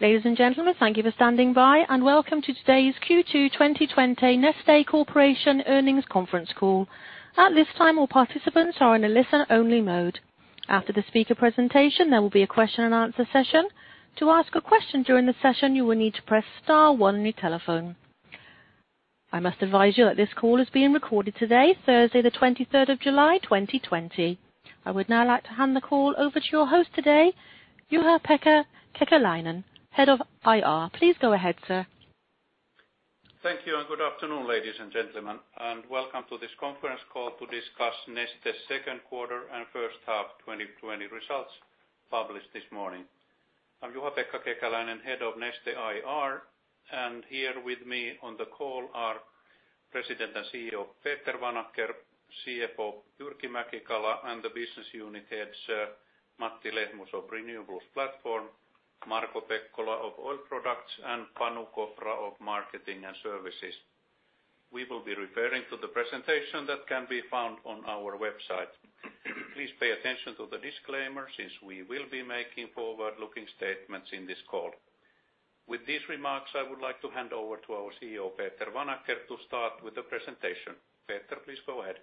Ladies and gentlemen, thank you for standing by, welcome to today's Q2 2020 Neste Corporation earnings conference call. At this time, all participants are in a listen-only mode. After the speaker presentation, there will be a question-and-answer session. To ask a question during the session, you will need to press star one on your telephone. I must advise you that this call is being recorded today, Thursday, the 23rd of July, 2020. I would now like to hand the call over to your host today, Juha-Pekka Kekäläinen, Head of IR. Please go ahead, sir. Thank you, good afternoon, ladies and gentlemen. Welcome to this conference call to discuss Neste's second quarter and first half 2020 results, published this morning. I'm Juha-Pekka Kekäläinen, Head of Neste IR, and here with me on the call are President and CEO Peter Vanacker, CFO Jyrki Mäki-Kala, and the Business Unit Heads, Matti Lehmus of Renewables Platform, Marko Pekkola of Oil Products, and Panu Kopra of Marketing & Services. We will be referring to the presentation that can be found on our website. Please pay attention to the disclaimer, since we will be making forward-looking statements in this call. With these remarks, I would like to hand over to our CEO Peter Vanacker to start with the presentation. Peter, please go ahead.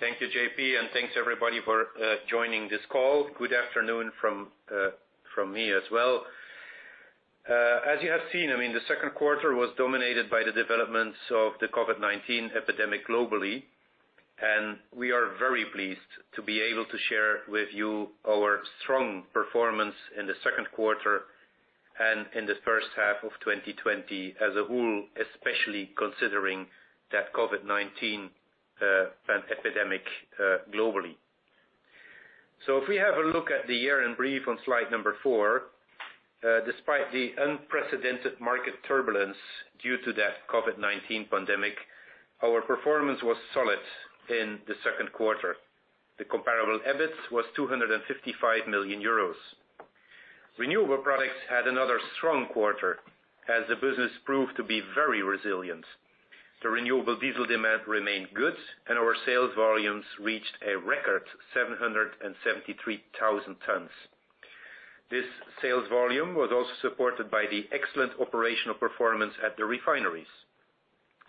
Thank you, J.P., and thanks, everybody, for joining this call. Good afternoon from me as well. As you have seen, the second quarter was dominated by the developments of the COVID-19 epidemic globally, and we are very pleased to be able to share with you our strong performance in the second quarter, and in the first half of 2020 as a whole, especially considering that COVID-19 pandemic globally. If we have a look at the year in brief on slide number four, despite the unprecedented market turbulence due to that COVID-19 pandemic, our performance was solid in the second quarter. The comparable EBIT was 255 million euros. Renewable products had another strong quarter, as the business proved to be very resilient. The renewable diesel demand remained good, and our sales volumes reached a record 773,000 tons. This sales volume was also supported by the excellent operational performance at the refineries.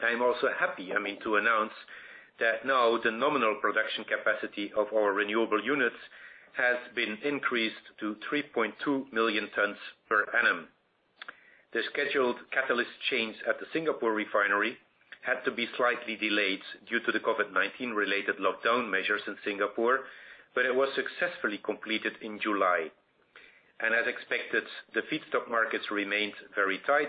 I am also happy to announce that now the nominal production capacity of our renewable units has been increased to 3.2 million tons per annum. The scheduled catalyst change at the Singapore refinery had to be slightly delayed due to the COVID-19 related lockdown measures in Singapore. It was successfully completed in July. As expected, the feedstock markets remained very tight.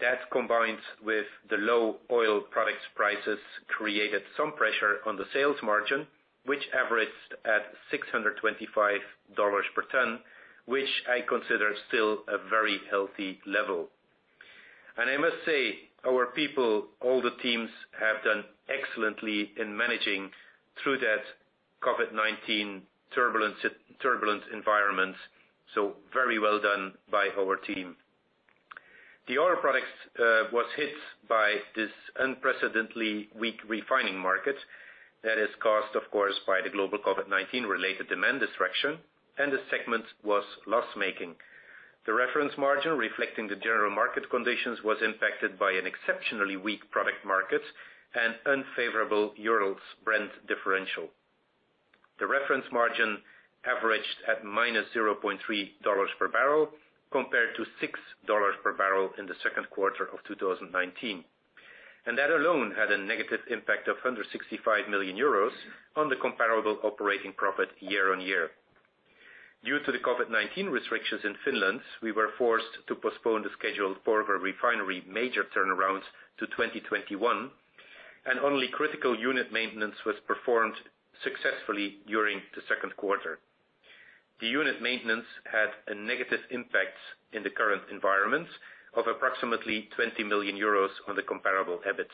That, combined with the low oil products prices, created some pressure on the sales margin, which averaged at EUR 625 per ton, which I consider still a very healthy level. I must say, our people, all the teams have done excellently in managing through that COVID-19 turbulent environment. Very well done by our team. The Oil Products was hit by this unprecedentedly weak refining market that is caused, of course, by the global COVID-19 related demand destruction, and the segment was loss-making. The reference margin reflecting the general market conditions was impacted by an exceptionally weak product market and unfavorable Urals-Brent differential. The reference margin averaged at -EUR 0.3 per barrel compared to EUR 6 per barrel in the second quarter of 2019. That alone had a negative impact of 165 million euros on the comparable operating profit year-on-year. Due to the COVID-19 restrictions in Finland, we were forced to postpone the scheduled Porvoo Refinery major turnarounds to 2021, and only critical unit maintenance was performed successfully during the second quarter. The unit maintenance had a negative impact in the current environment of approximately 20 million euros on the comparable EBIT.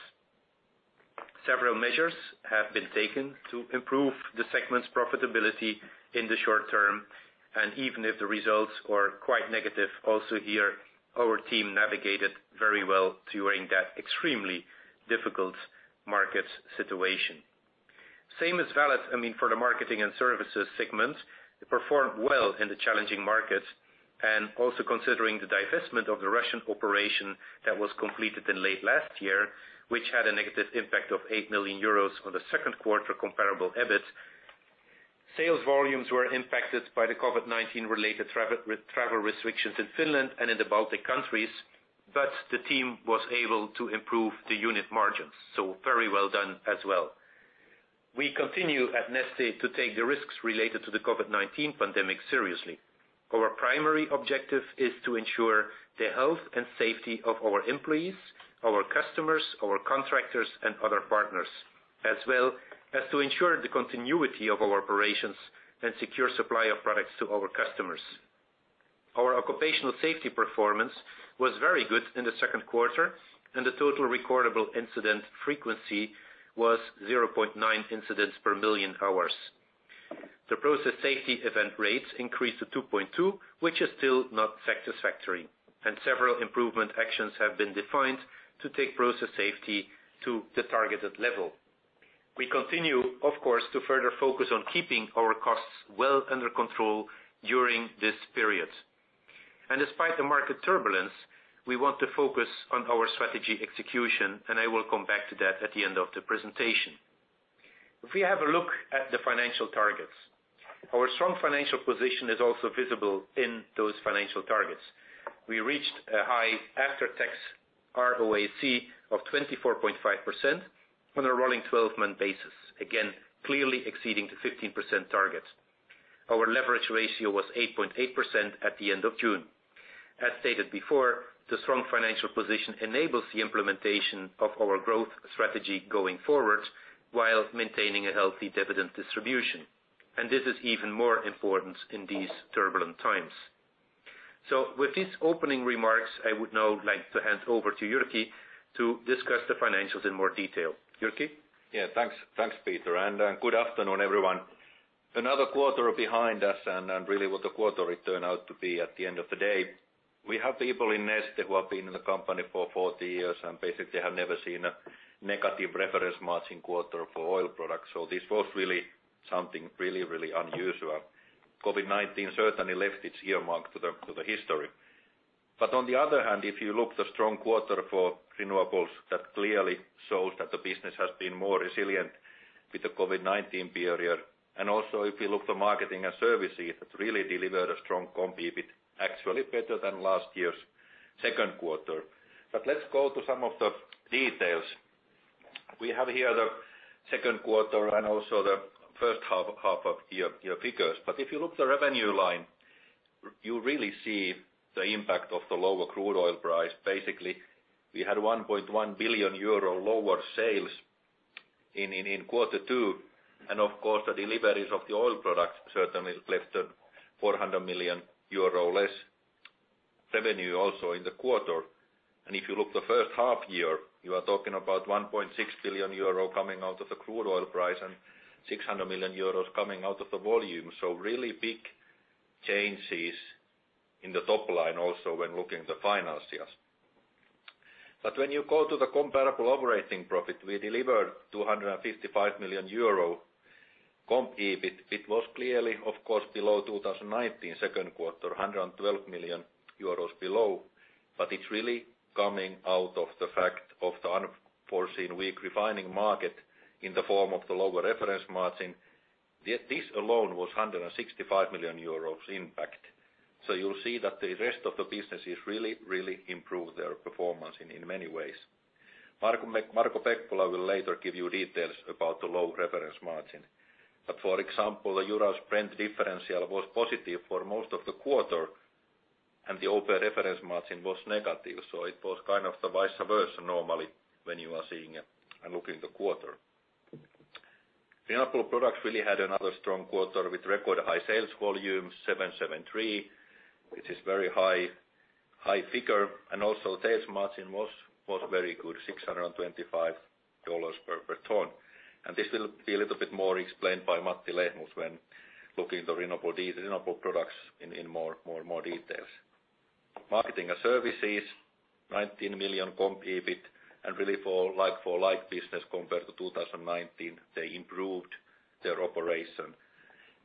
Several measures have been taken to improve the segment's profitability in the short term, and even if the results are quite negative also here, our team navigated very well during that extremely difficult market situation. Same is valid for the Marketing & Services segment. It performed well in the challenging market, and also considering the divestment of the Russian operation that was completed in late last year, which had a negative impact of 8 million euros on the second quarter comparable EBIT. Sales volumes were impacted by the COVID-19 related travel restrictions in Finland and in the Baltic countries, but the team was able to improve the unit margins, so very well done as well. We continue at Neste to take the risks related to the COVID-19 pandemic seriously. Our primary objective is to ensure the health and safety of our employees, our customers, our contractors, and other partners, as well as to ensure the continuity of our operations and secure supply of products to our customers. Our occupational safety performance was very good in the second quarter, and the total recordable incident frequency was 0.9 incidents per million hours. The process safety event rates increased to 2.2, which is still not satisfactory. Several improvement actions have been defined to take process safety to the targeted level. We continue, of course, to further focus on keeping our costs well under control during this period. Despite the market turbulence, we want to focus on our strategy execution, and I will come back to that at the end of the presentation. If we have a look at the financial targets, our strong financial position is also visible in those financial targets. We reached a high after-tax ROACE of 24.5% on a rolling 12-month basis, again, clearly exceeding the 15% target. Our leverage ratio was 8.8% at the end of June. As stated before, the strong financial position enables the implementation of our growth strategy going forward while maintaining a healthy dividend distribution. This is even more important in these turbulent times. With these opening remarks, I would now like to hand over to Jyrki to discuss the financials in more detail. Jyrki? Thanks, Peter, and good afternoon, everyone. Another quarter behind us and really what the quarter turned out to be at the end of the day, we have people in Neste who have been in the company for 40 years and basically have never seen a negative reference margin quarter for oil products. This was really something really unusual. COVID-19 certainly left its year mark to the history. On the other hand, if you look the strong quarter for renewables, that clearly shows that the business has been more resilient with the COVID-19 period. Also if you look the Marketing & Services, it really delivered a strong EBIT, actually better than last year's second quarter. Let's go to some of the details. We have here the second quarter and also the first half of year figures. If you look the revenue line, you really see the impact of the lower crude oil price. Basically, we had 1.1 billion euro lower sales in quarter two, and of course, the deliveries of the oil products certainly left a 400 million euro less revenue also in the quarter. If you look the first half year, you are talking about 1.6 billion euro coming out of the crude oil price and 600 million euros coming out of the volume. Really big changes in the top line also when looking the financials. When you go to the comparable operating profit, we delivered 255 million euro comp EBIT. It was clearly, of course, below 2019 second quarter, 112 million euros below, but it's really coming out of the fact of the unforeseen weak refining market in the form of the lower reference margin. This alone was 165 million euros impact. You'll see that the rest of the business has really improved their performance in many ways. Marko Pekkola will later give you details about the low reference margin. For example, the Urals-Brent differential was positive for most of the quarter, and the OPEC reference margin was negative. It was kind of the vice versa normally when you are seeing and looking the quarter. Renewable products really had another strong quarter with record high sales volume, 773, which is very high figure, and also sales margin was very good, $625 per ton. This will be a little bit more explained by Matti Lehmus when looking at the renewable products in more details. Marketing & Services, 19 million comp EBIT and really for like-for-like business compared to 2019, they improved their operation.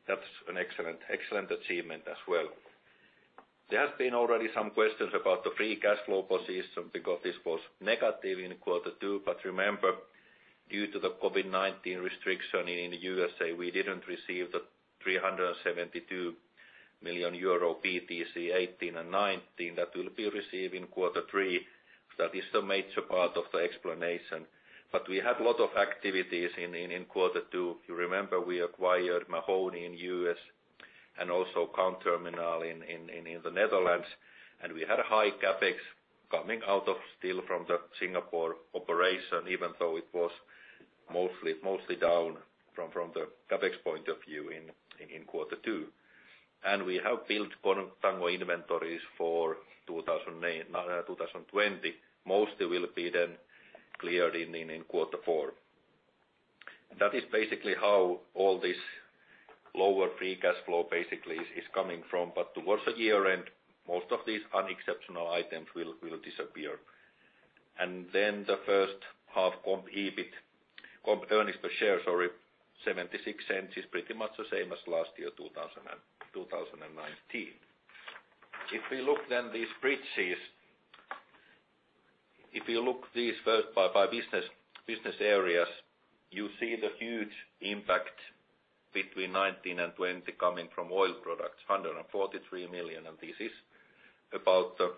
That's an excellent achievement as well. There have been already some questions about the free cash flow position because this was negative in Q2. Remember, due to the COVID-19 restriction in the U.S., we didn't receive the 372 million euro BTC 2018 and 2019 that will be received in Q3. That is the major part of the explanation. We had lot of activities in Q2. You remember we acquired Mahoney Environmental in the U.S. and also Count Terminal Rotterdam BV in the Netherlands. We had high CapEx coming out of still from the Singapore operation, even though it was mostly down from the CapEx point of view in Q2. We have built contango inventories for 2020. Most will be then cleared in Q4. That is basically how all this lower free cash flow basically is coming from. Towards the year end, most of these unexceptional items will disappear. The first half comp earnings per share, sorry, $0.76 is pretty much the same as last year, 2019. These bridges, if you look these first by business areas, you see the huge impact between 2019 and 2020 coming from Oil Products, 143 million, and this is about the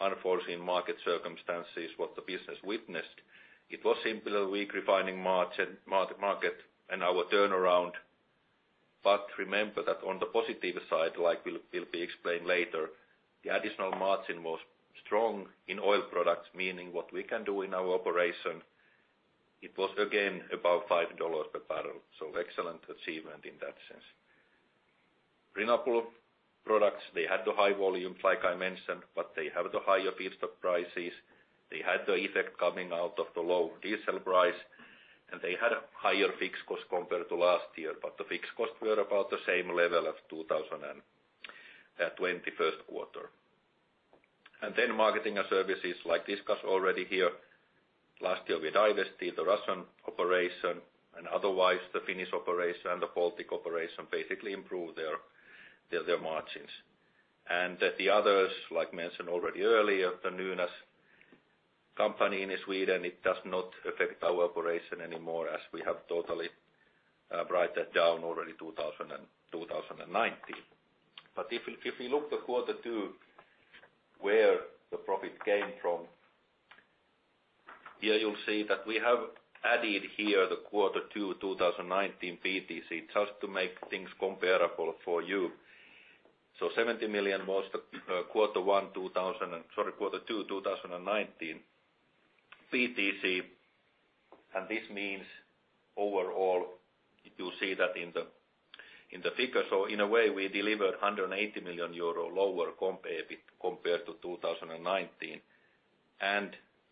unforeseen market circumstances, what the business witnessed. It was simply a weak refining market and our turnaround. Remember that on the positive side, like will be explained later, the additional margin was strong in Oil Products, meaning what we can do in our operation, it was again about $5 per barrel. Excellent achievement in that sense. Renewable Products, they had the high volumes like I mentioned, but they have the higher feedstock prices. They had the effect coming out of the low diesel price, and they had a higher fixed cost compared to last year. The fixed costs were about the same level of 2021 first quarter. Marketing and Services, like discussed already here. Last year we divested the Russian operation, and otherwise, the Finnish operation and the Baltic operation basically improved their margins. The others, like mentioned already earlier, the Nynas company in Sweden, it does not affect our operation anymore, as we have totally written that down already in 2019. If you look at quarter two, where the profit came from, here you'll see that we have added here the quarter two 2019 BTC, just to make things comparable for you. 70 million was the quarter two 2019 BTC, and this means overall, you see that in the figures. In a way, we delivered 180 million euro lower comp EBIT compared to 2019.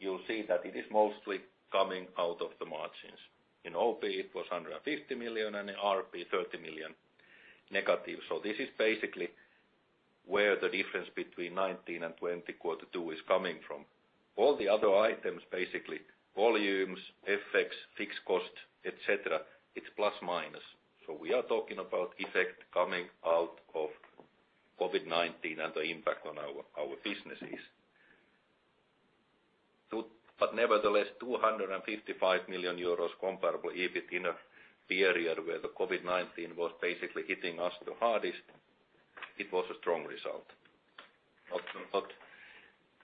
You'll see that it is mostly coming out of the margins. In OP, it was 150 million, and in RP, 30 million negative. This is basically where the difference between 2019 and 2020 quarter two is coming from. All the other items, basically, volumes, FX, fixed costs, et cetera, it's plus, minus. We are talking about effect coming out of COVID-19 and the impact on our businesses. Nevertheless, 255 million euros comparable EBIT in a period where the COVID-19 was basically hitting us the hardest. It was a strong result. Not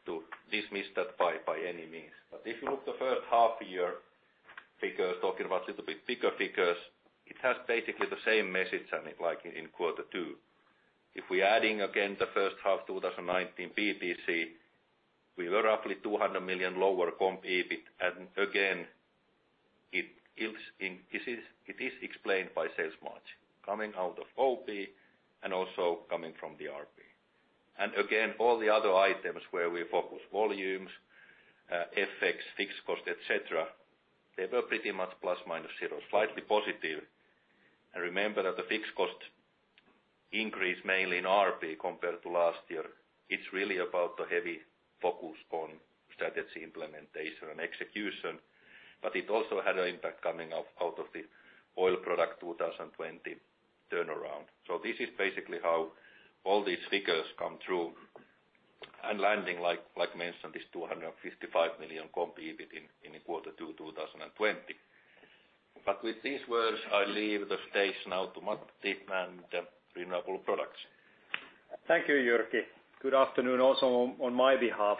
to dismiss that by any means. If you look at the first half year figures, talking about a little bit bigger figures, it has basically the same message in it like in quarter two. If we're adding again, the first half 2019 BTC, we were roughly 200 million lower comp EBIT. Again, it is explained by sales margin coming out of OP and also coming from the RP. Again, all the other items where we focus volumes, FX, fixed cost, et cetera, they were pretty much plus, minus zero. Slightly positive. Remember that the fixed cost increase mainly in RP compared to last year, it's really about the heavy focus on strategy implementation and execution. It also had an impact coming out of the Oil Products 2020 turnaround. This is basically how all these figures come through and landing, like mentioned, this 255 million comp EBIT in quarter two 2020. With these words, I leave the stage now to Matti and Renewables Platform. Thank you, Jyrki. Good afternoon also on my behalf.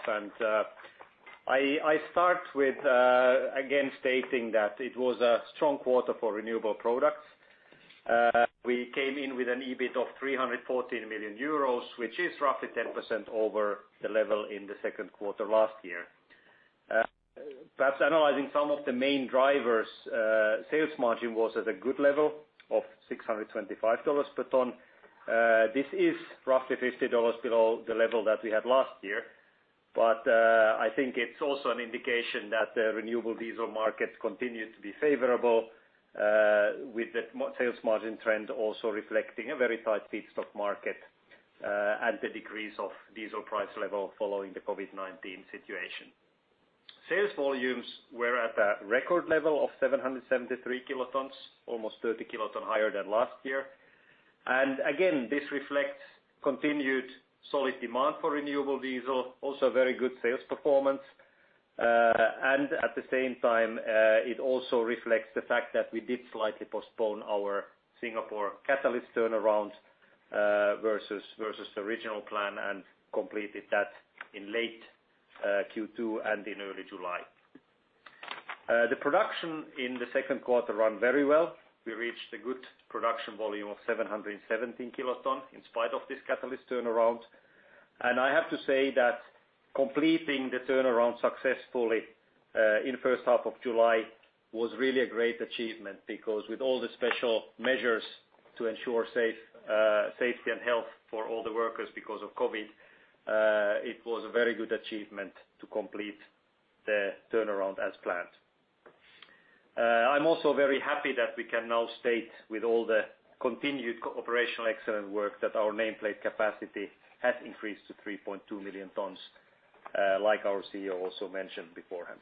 I start with again stating that it was a strong quarter for renewable products. We came in with an EBIT of 314 million euros, which is roughly 10% over the level in the second quarter last year. Perhaps analyzing some of the main drivers, sales margin was at a good level of $625 per ton. This is roughly $50 below the level that we had last year, but I think it's also an indication that the renewable diesel market continued to be favorable, with the sales margin trend also reflecting a very tight feedstock market, and the decrease of diesel price level following the COVID-19 situation. Sales volumes were at a record level of 773 kilotons, almost 30 kiloton higher than last year. Again, this reflects continued solid demand for renewable diesel, also very good sales performance. At the same time, it also reflects the fact that we did slightly postpone our Singapore catalyst turnaround versus the original plan and completed that in late Q2 and in early July. The production in the second quarter ran very well. We reached a good production volume of 717 kiloton in spite of this catalyst turnaround. I have to say that completing the turnaround successfully in the first half of July was really a great achievement because with all the special measures to ensure safety and health for all the workers because of COVID, it was a very good achievement to complete the turnaround as planned. I'm also very happy that we can now state with all the continued operational excellent work, that our nameplate capacity has increased to 3.2 million tons, like our CEO also mentioned beforehand.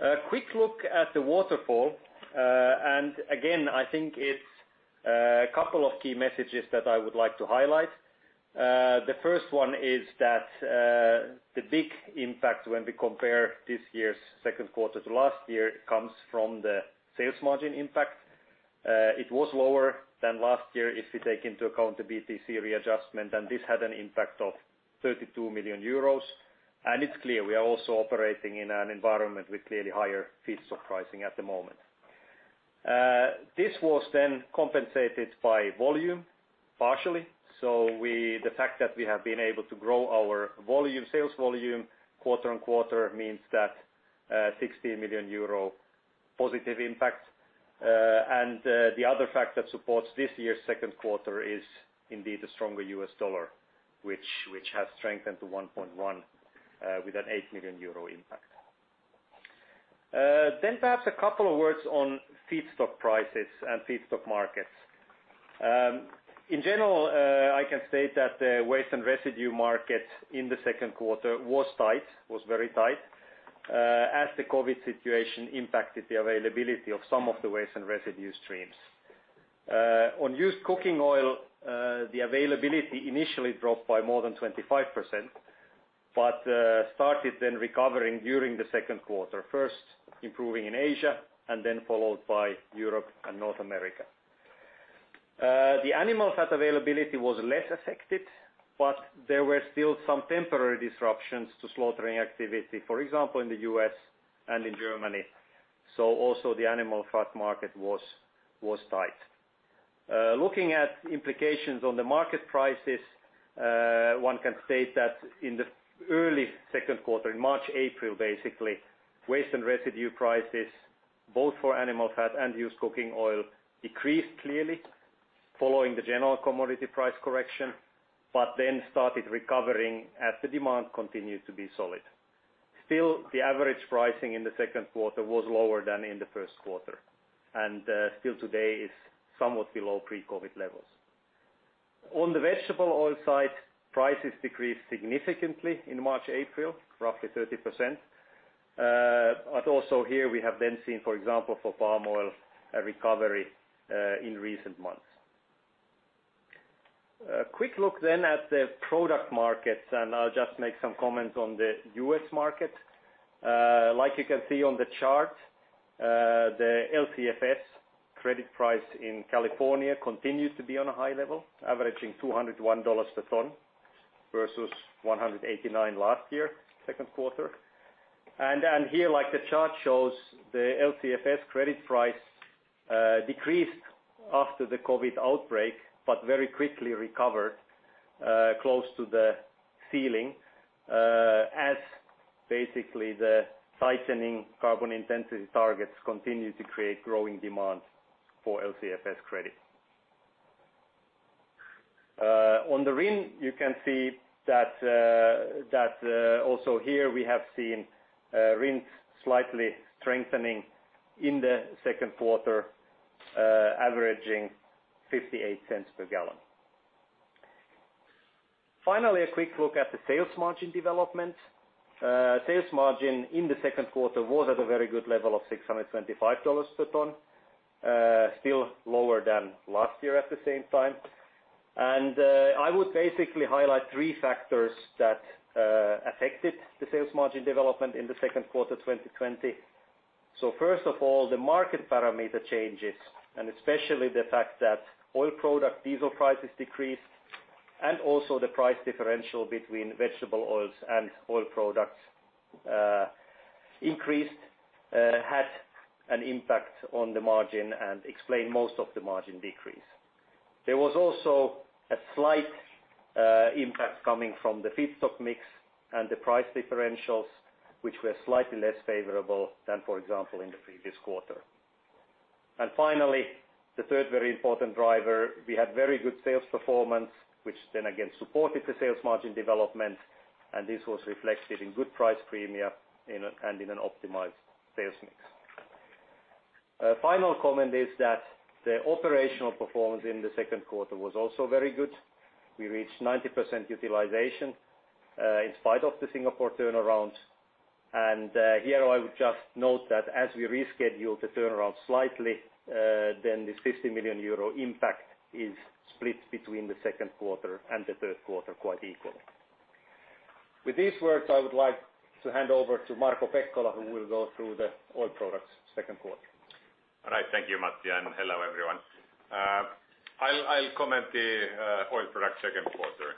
A quick look at the waterfall. Again, I think it's a couple of key messages that I would like to highlight. The first one is that the big impact when we compare this year's second quarter to last year comes from the sales margin impact. It was lower than last year if we take into account the BTC readjustment, this had an impact of 32 million euros. It's clear we are also operating in an environment with clearly higher feedstock pricing at the moment. This was compensated by volume partially. The fact that we have been able to grow our sales volume quarter-on-quarter means that 60 million euro positive impact. The other fact that supports this year's second quarter is indeed the stronger U.S. dollar, which has strengthened to 1.1 with an 8 million euro impact. Perhaps a couple of words on feedstock prices and feedstock markets. In general, I can state that the waste and residue market in the second quarter was very tight, as the COVID situation impacted the availability of some of the waste and residue streams. On used cooking oil, the availability initially dropped by more than 25%, but started then recovering during the second quarter, first improving in Asia, and then followed by Europe and North America. The animal fat availability was less affected, but there were still some temporary disruptions to slaughtering activity, for example, in the U.S. and in Germany. Also the animal fat market was tight. Looking at implications on the market prices, one can state that in the early second quarter, in March, April, basically, waste and residue prices, both for animal fat and used cooking oil, decreased clearly following the general commodity price correction, but then started recovering as the demand continued to be solid. Still, the average pricing in the second quarter was lower than in the first quarter, and still today is somewhat below pre-COVID-19 levels. On the vegetable oil side, prices decreased significantly in March, April, roughly 30%. Also here we have seen, for example, for palm oil, a recovery in recent months. A quick look at the product markets, I'll just make some comments on the U.S. market. Like you can see on the chart, the LCFS credit price in California continues to be on a high level, averaging $201 a ton versus $189 last year, second quarter. Here, like the chart shows, the LCFS credit price decreased after the COVID-19 outbreak, very quickly recovered close to the ceiling as basically the tightening carbon intensity targets continue to create growing demand for LCFS credit. On the RIN, you can see that also here we have seen RIN slightly strengthening in the second quarter, averaging $0.58 per gallon. Finally, a quick look at the sales margin development. Sales margin in the second quarter was at a very good level of $625 per ton. Still lower than last year at the same time. I would basically highlight three factors that affected the sales margin development in the second quarter 2020. First of all, the market parameter changes, and especially the fact that oil product diesel prices decreased, and also the price differential between vegetable oils and oil products increased, had an impact on the margin and explained most of the margin decrease. There was also a slight impact coming from the feedstock mix and the price differentials, which were slightly less favorable than, for example, in the previous quarter. Finally, the third very important driver, we had very good sales performance, which then again supported the sales margin development, and this was reflected in good price premia and in an optimized sales mix. A final comment is that the operational performance in the second quarter was also very good. We reached 90% utilization in spite of the Singapore turnaround. Here I would just note that as we reschedule the turnaround slightly, then the 50 million euro impact is split between the second quarter and the third quarter quite equally. With these words, I would like to hand over to Marko Pekkola, who will go through the Oil Products second quarter. All right. Thank you, Matti. Hello, everyone. I'll comment the Oil Products second quarter.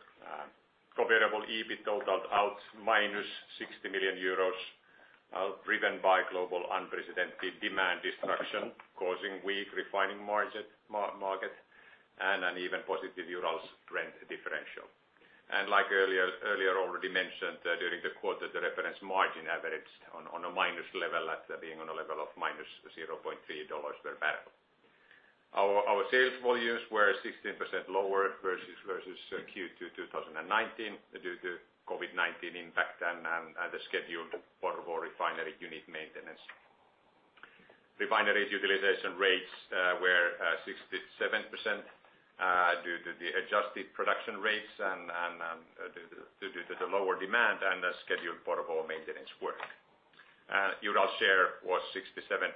Comparable EBIT totaled out -60 million euros, driven by global unprecedented demand destruction, causing weak refining market, and an even positive Urals-Brent differential. Like earlier already mentioned, during the quarter, the reference margin averaged on a minus level at being on a level of EUR -0.3 per barrel. Our sales volumes were 16% lower versus Q2 2019 due to COVID-19 impact and the scheduled Porvoo Refinery unit maintenance. Refinery utilization rates were 67% due to the adjusted production rates and due to the lower demand and the scheduled Porvoo maintenance work. Urals share was 67%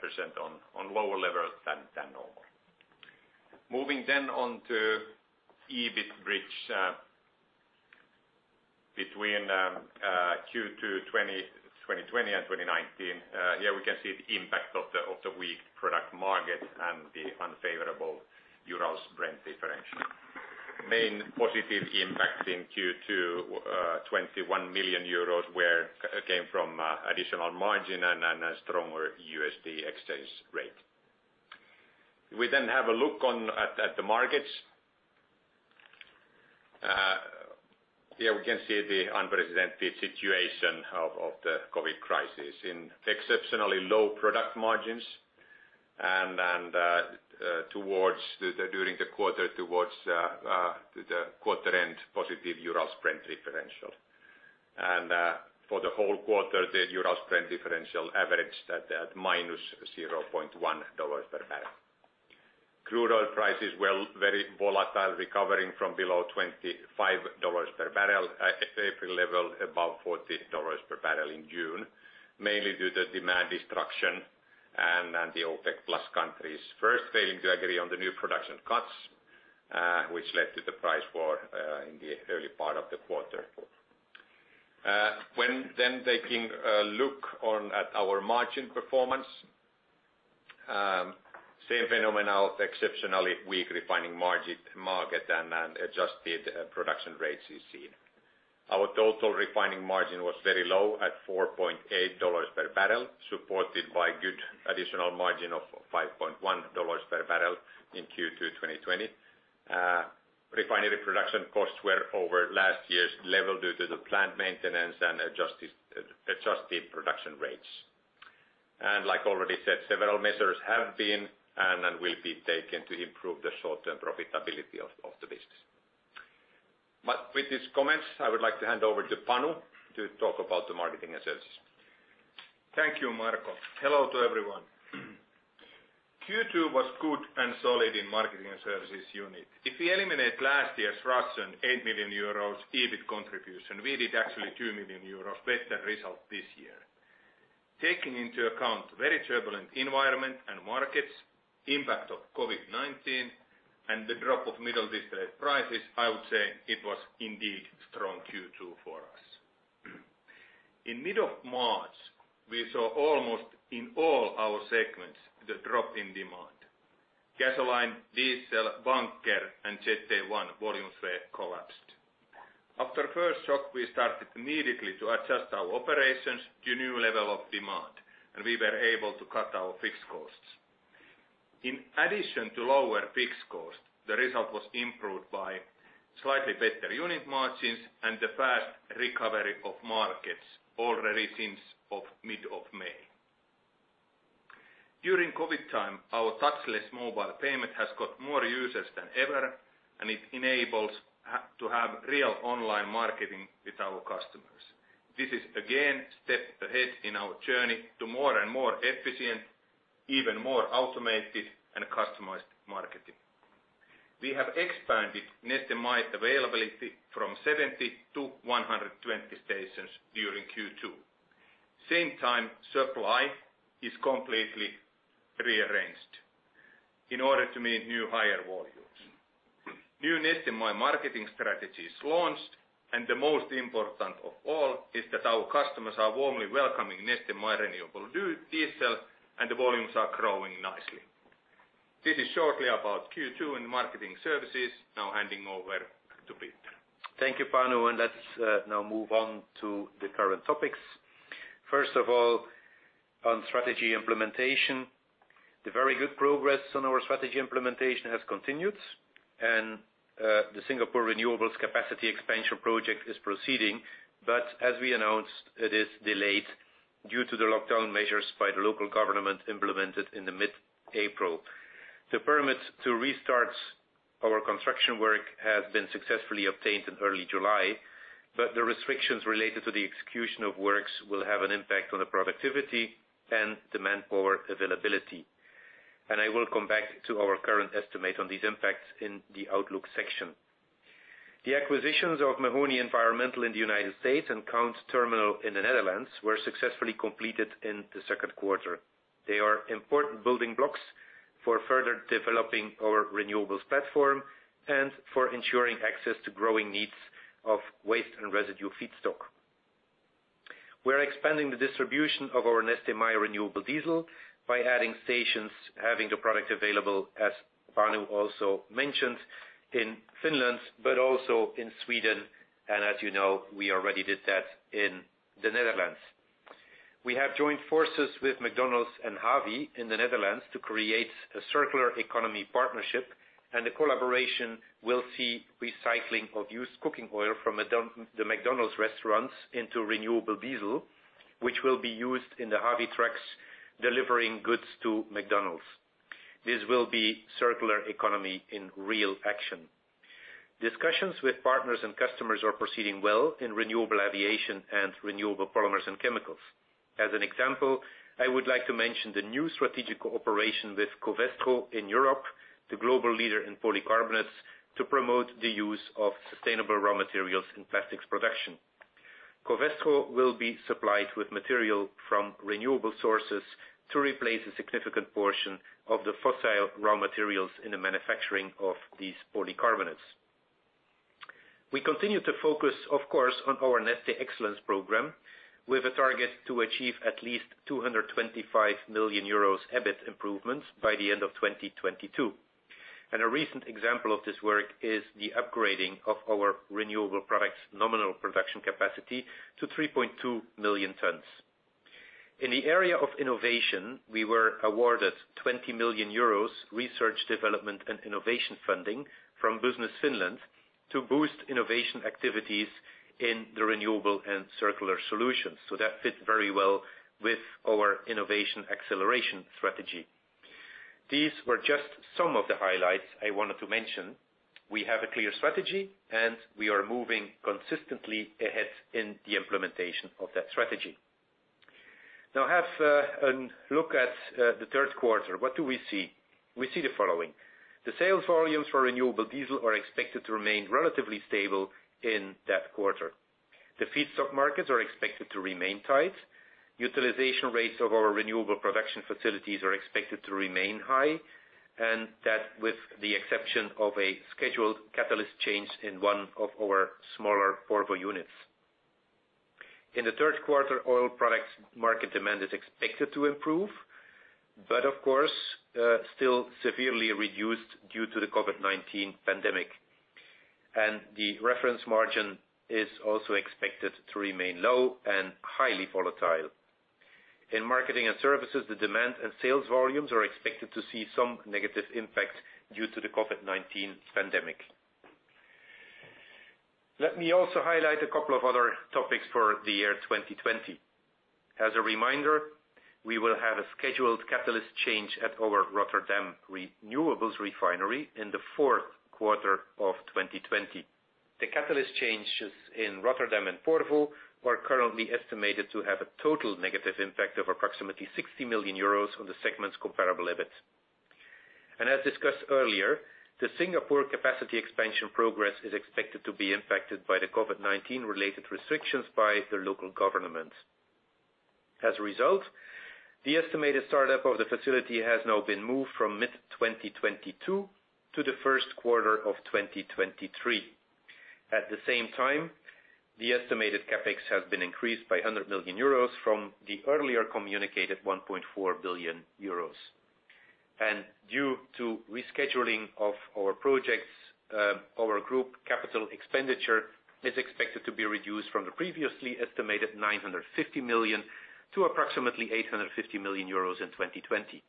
on lower level than normal. Moving then on to EBIT bridge between Q2 2020 and 2019. Here we can see the impact of the weak product market and the unfavorable Urals-Brent differential. Main positive impact in Q2 21 million euros came from additional margin and a stronger USD exchange rate. We have a look at the markets. Here we can see the unprecedented situation of the COVID-19 crisis in exceptionally low product margins. During the quarter towards the quarter end positive Urals-Brent differential. For the whole quarter, the Urals-Brent differential averaged at -$0.1 per barrel. Crude oil prices were very volatile, recovering from below $25 per barrel, April level above $40 per barrel in June, mainly due to demand destruction and the OPEC+ countries first failing to agree on the new production cuts, which led to the price war in the early part of the quarter. When taking a look at our margin performance, same phenomenon of exceptionally weak refining market and adjusted production rates is seen. Our total refining margin was very low at $4.8 per barrel, supported by good additional margin of $5.1 per barrel in Q2 2020. Refinery production costs were over last year's level due to the plant maintenance and adjusted production rates. Like already said, several measures have been and will be taken to improve the short-term profitability of the business. With these comments, I would like to hand over to Panu to talk about the Marketing & Services. Thank you, Marko. Hello to everyone. Q2 was good and solid in Marketing & Services unit. If we eliminate last year's Russian 8 million euros EBIT contribution, we did actually 2 million euros better result this year. Taking into account very turbulent environment and markets, impact of COVID-19, and the drop of middle distillate prices, I would say it was indeed strong Q2 for us. In mid of March, we saw almost in all our segments the drop in demand. Gasoline, diesel, bunker, and Jet A-1 volumes rate collapsed. After first shock, we started immediately to adjust our operations to new level of demand, and we were able to cut our fixed costs. In addition to lower fixed cost, the result was improved by slightly better unit margins and the fast recovery of markets already since mid of May. During COVID time, our touchless mobile payment has got more users than ever. It enables to have real online marketing with our customers. This is again step ahead in our journey to more and more efficient, even more automated and customized marketing. We have expanded Neste MY availability from 70 to 120 stations during Q2. Same time, supply is completely rearranged in order to meet new higher volumes. New Neste MY marketing strategy is launched. The most important of all is that our customers are warmly welcoming Neste MY Renewable Diesel. The volumes are growing nicely. This is shortly about Q2 in marketing services. Handing over to Peter. Thank you, Panu. Let's now move on to the current topics. First of all, on strategy implementation, the very good progress on our strategy implementation has continued, and the Singapore renewables capacity expansion project is proceeding. As we announced, it is delayed due to the lockdown measures by the local government implemented in the mid-April. The permits to restart our construction work has been successfully obtained in early July, but the restrictions related to the execution of works will have an impact on the productivity and the manpower availability. I will come back to our current estimate on these impacts in the outlook section. The acquisitions of Mahoney Environmental in the U.S. and Count Terminal in the Netherlands were successfully completed in the second quarter. They are important building blocks for further developing our Renewables Platform and for ensuring access to growing needs of waste and residue feedstock. We're expanding the distribution of our Neste MY Renewable Diesel by adding stations having the product available, as Panu also mentioned, in Finland, but also in Sweden. As you know, we already did that in the Netherlands. We have joined forces with McDonald's and HAVI in the Netherlands to create a circular economy partnership, and the collaboration will see recycling of used cooking oil from the McDonald's restaurants into renewable diesel, which will be used in the HAVI trucks delivering goods to McDonald's. This will be circular economy in real action. Discussions with partners and customers are proceeding well in renewable aviation and renewable polymers and chemicals. As an example, I would like to mention the new strategic cooperation with Covestro in Europe, the global leader in polycarbonates, to promote the use of sustainable raw materials in plastics production. Covestro will be supplied with material from renewable sources to replace a significant portion of the fossil raw materials in the manufacturing of these polycarbonates. We continue to focus, of course, on our Neste Excellence program, with a target to achieve at least 225 million euros EBIT improvements by the end of 2022. A recent example of this work is the upgrading of our renewable products nominal production capacity to 3.2 million tons. In the area of innovation, we were awarded 20 million euros research development and innovation funding from Business Finland To boost innovation activities in the renewable and circular solutions. That fits very well with our innovation acceleration strategy. These were just some of the highlights I wanted to mention. We have a clear strategy, and we are moving consistently ahead in the implementation of that strategy. Have a look at the third quarter. What do we see? We see the following. The sales volumes for renewable diesel are expected to remain relatively stable in that quarter. The feedstock markets are expected to remain tight. Utilization rates of our renewable production facilities are expected to remain high, and that with the exception of a scheduled catalyst change in one of our smaller Porvoo units. In the third quarter, oil products market demand is expected to improve, but of course, still severely reduced due to the COVID-19 pandemic. The reference margin is also expected to remain low and highly volatile. In Marketing & Services, the demand and sales volumes are expected to see some negative impact due to the COVID-19 pandemic. Let me also highlight a couple of other topics for the year 2020. As a reminder, we will have a scheduled catalyst change at our Rotterdam renewables refinery in the fourth quarter of 2020. The catalyst changes in Rotterdam and Porvoo were currently estimated to have a total negative impact of approximately 60 million euros on the segment's comparable EBIT As discussed earlier, the Singapore capacity expansion progress is expected to be impacted by the COVID-19-related restrictions by the local government. As a result, the estimated startup of the facility has now been moved from mid-2022 to the first quarter of 2023. At the same time, the estimated CapEx has been increased by 100 million euros from the earlier communicated 1.4 billion euros. Due to rescheduling of our projects, our group capital expenditure is expected to be reduced from the previously estimated 950 million to approximately 850 million euros in 2020.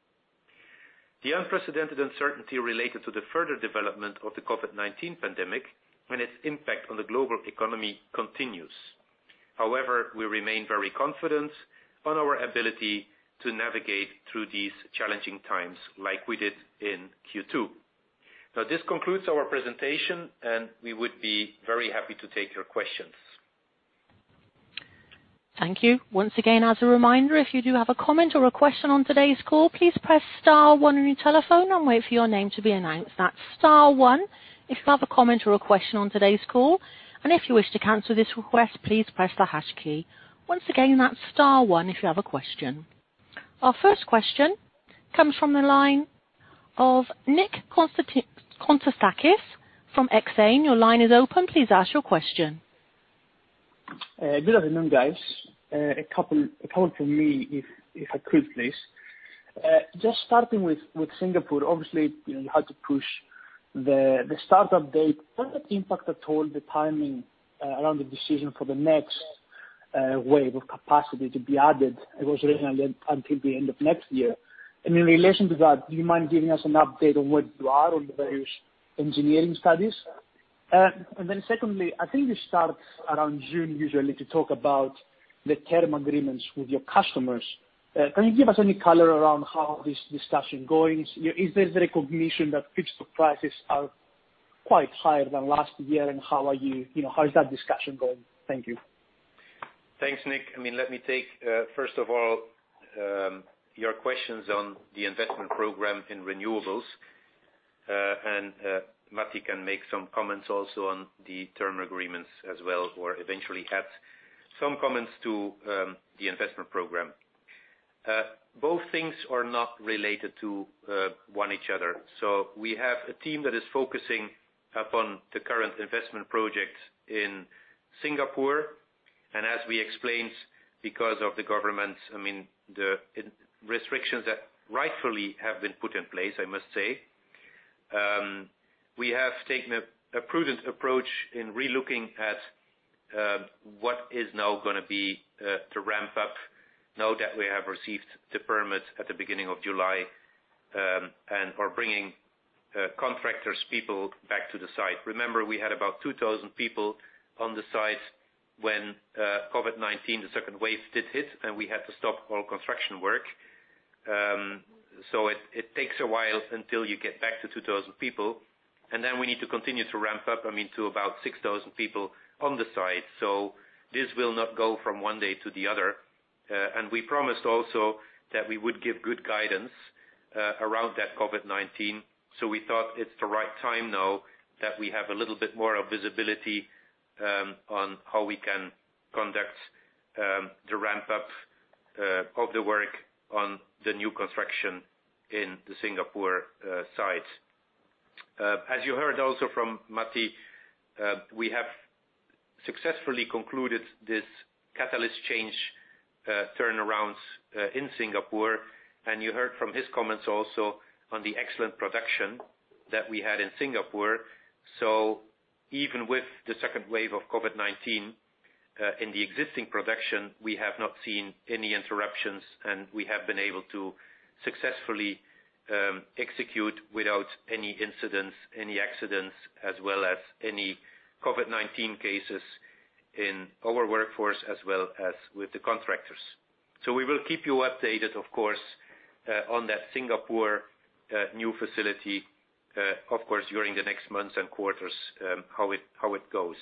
The unprecedented uncertainty related to the further development of the COVID-19 pandemic and its impact on the global economy continues. However, we remain very confident on our ability to navigate through these challenging times like we did in Q2. Now, this concludes our presentation, and we would be very happy to take your questions. Thank you. Once again, as a reminder, if you do have a comment or a question on today's call, please press star one on your telephone and wait for your name to be announced. That's star one if you have a comment or a question on today's call. If you wish to cancel this request, please press the hash key. Once again, that's star one if you have a question. Our first question comes from the line of Nick Konstantakis from Exane. Your line is open. Please ask your question. Good afternoon, guys. A couple from me, if I could, please. Just starting with Singapore, obviously, you had to push the startup date. Will it impact at all the timing around the decision for the next wave of capacity to be added? It was originally until the end of next year. In relation to that, do you mind giving us an update on where you are on the various engineering studies? Then secondly, I think you start around June usually to talk about the term agreements with your customers. Can you give us any color around how this discussion going? Is there the recognition that fixed prices are quite higher than last year, and how is that discussion going? Thank you. Thanks, Nick. Let me take, first of all, your questions on the investment program in renewables, and Matti can make some comments also on the term agreements as well, or eventually add some comments to the investment program. Both things are not related to one each other. We have a team that is focusing upon the current investment project in Singapore. As we explained, because of the government, the restrictions that rightfully have been put in place, I must say, we have taken a prudent approach in relooking at what is now going to be to ramp up now that we have received the permits at the beginning of July, and are bringing contractors, people back to the site. Remember, we had about 2,000 people on the site when COVID-19, the second wave, did hit, and we had to stop all construction work. It takes a while until you get back to 2,000 people. We need to continue to ramp up, to about 6,000 people on the site. This will not go from one day to the other. We promised also that we would give good guidance around that COVID-19. We thought it's the right time now that we have a little bit more of visibility on how we can conduct the ramp-up of the work on the new construction in the Singapore site. As you heard also from Matti, we have successfully concluded this catalyst change turnarounds in Singapore, and you heard from his comments also on the excellent production that we had in Singapore. Even with the second wave of COVID-19. In the existing production, we have not seen any interruptions, and we have been able to successfully execute without any incidents, any accidents, as well as any COVID-19 cases in our workforce as well as with the contractors. We will keep you updated, of course, on that Singapore new facility, of course, during the next months and quarters, how it goes.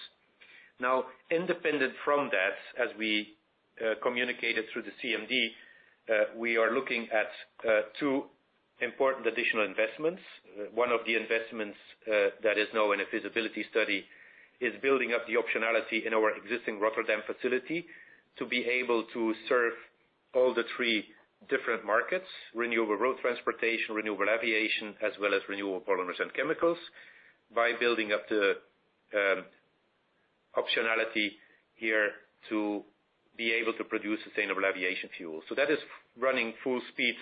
Independent from that, as we communicated through the CMD, we are looking at two important additional investments. One of the investments that is now in a feasibility study is building up the optionality in our existing Rotterdam facility to be able to serve all the three different markets, renewable road transportation, renewable aviation, as well as renewable polymers and chemicals, by building up the optionality here to be able to produce sustainable aviation fuel. That is running full speed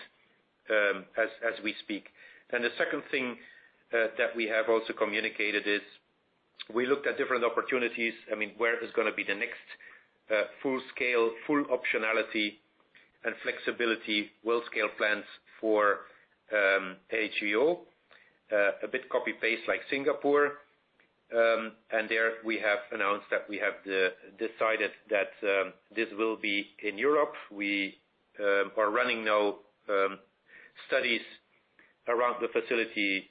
as we speak. The second thing that we have also communicated is we looked at different opportunities. Where is going to be the next full scale, full optionality, and flexibility world-scale plants for HVO? A bit copy-paste like Singapore. There we have announced that we have decided that this will be in Europe. We are running now studies around the facility,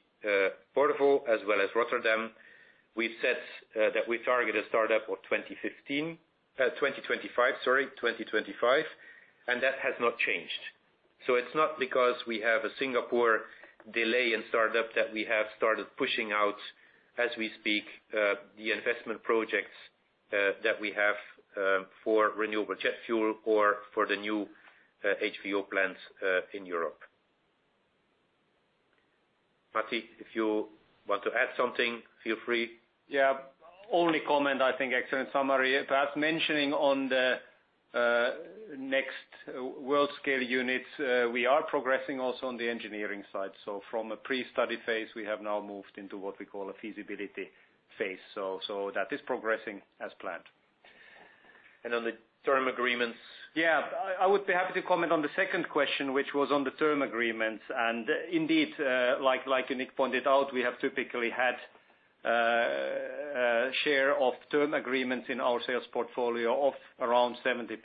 Porvoo as well as Rotterdam. We've said that we target a startup of 2025. 2025, that has not changed. It's not because we have a Singapore delay in startup that we have started pushing out, as we speak, the investment projects that we have for renewable jet fuel or for the new HVO plants in Europe. Matti, if you want to add something, feel free. Yeah. Only comment, I think, excellent summary. Perhaps mentioning on the next world scale units, we are progressing also on the engineering side. From a pre-study phase, we have now moved into what we call a feasibility phase. That is progressing as planned. On the term agreements? Yeah. I would be happy to comment on the second question, which was on the term agreements. Indeed, like Nick pointed out, we have typically had a share of term agreements in our sales portfolio of around 70%,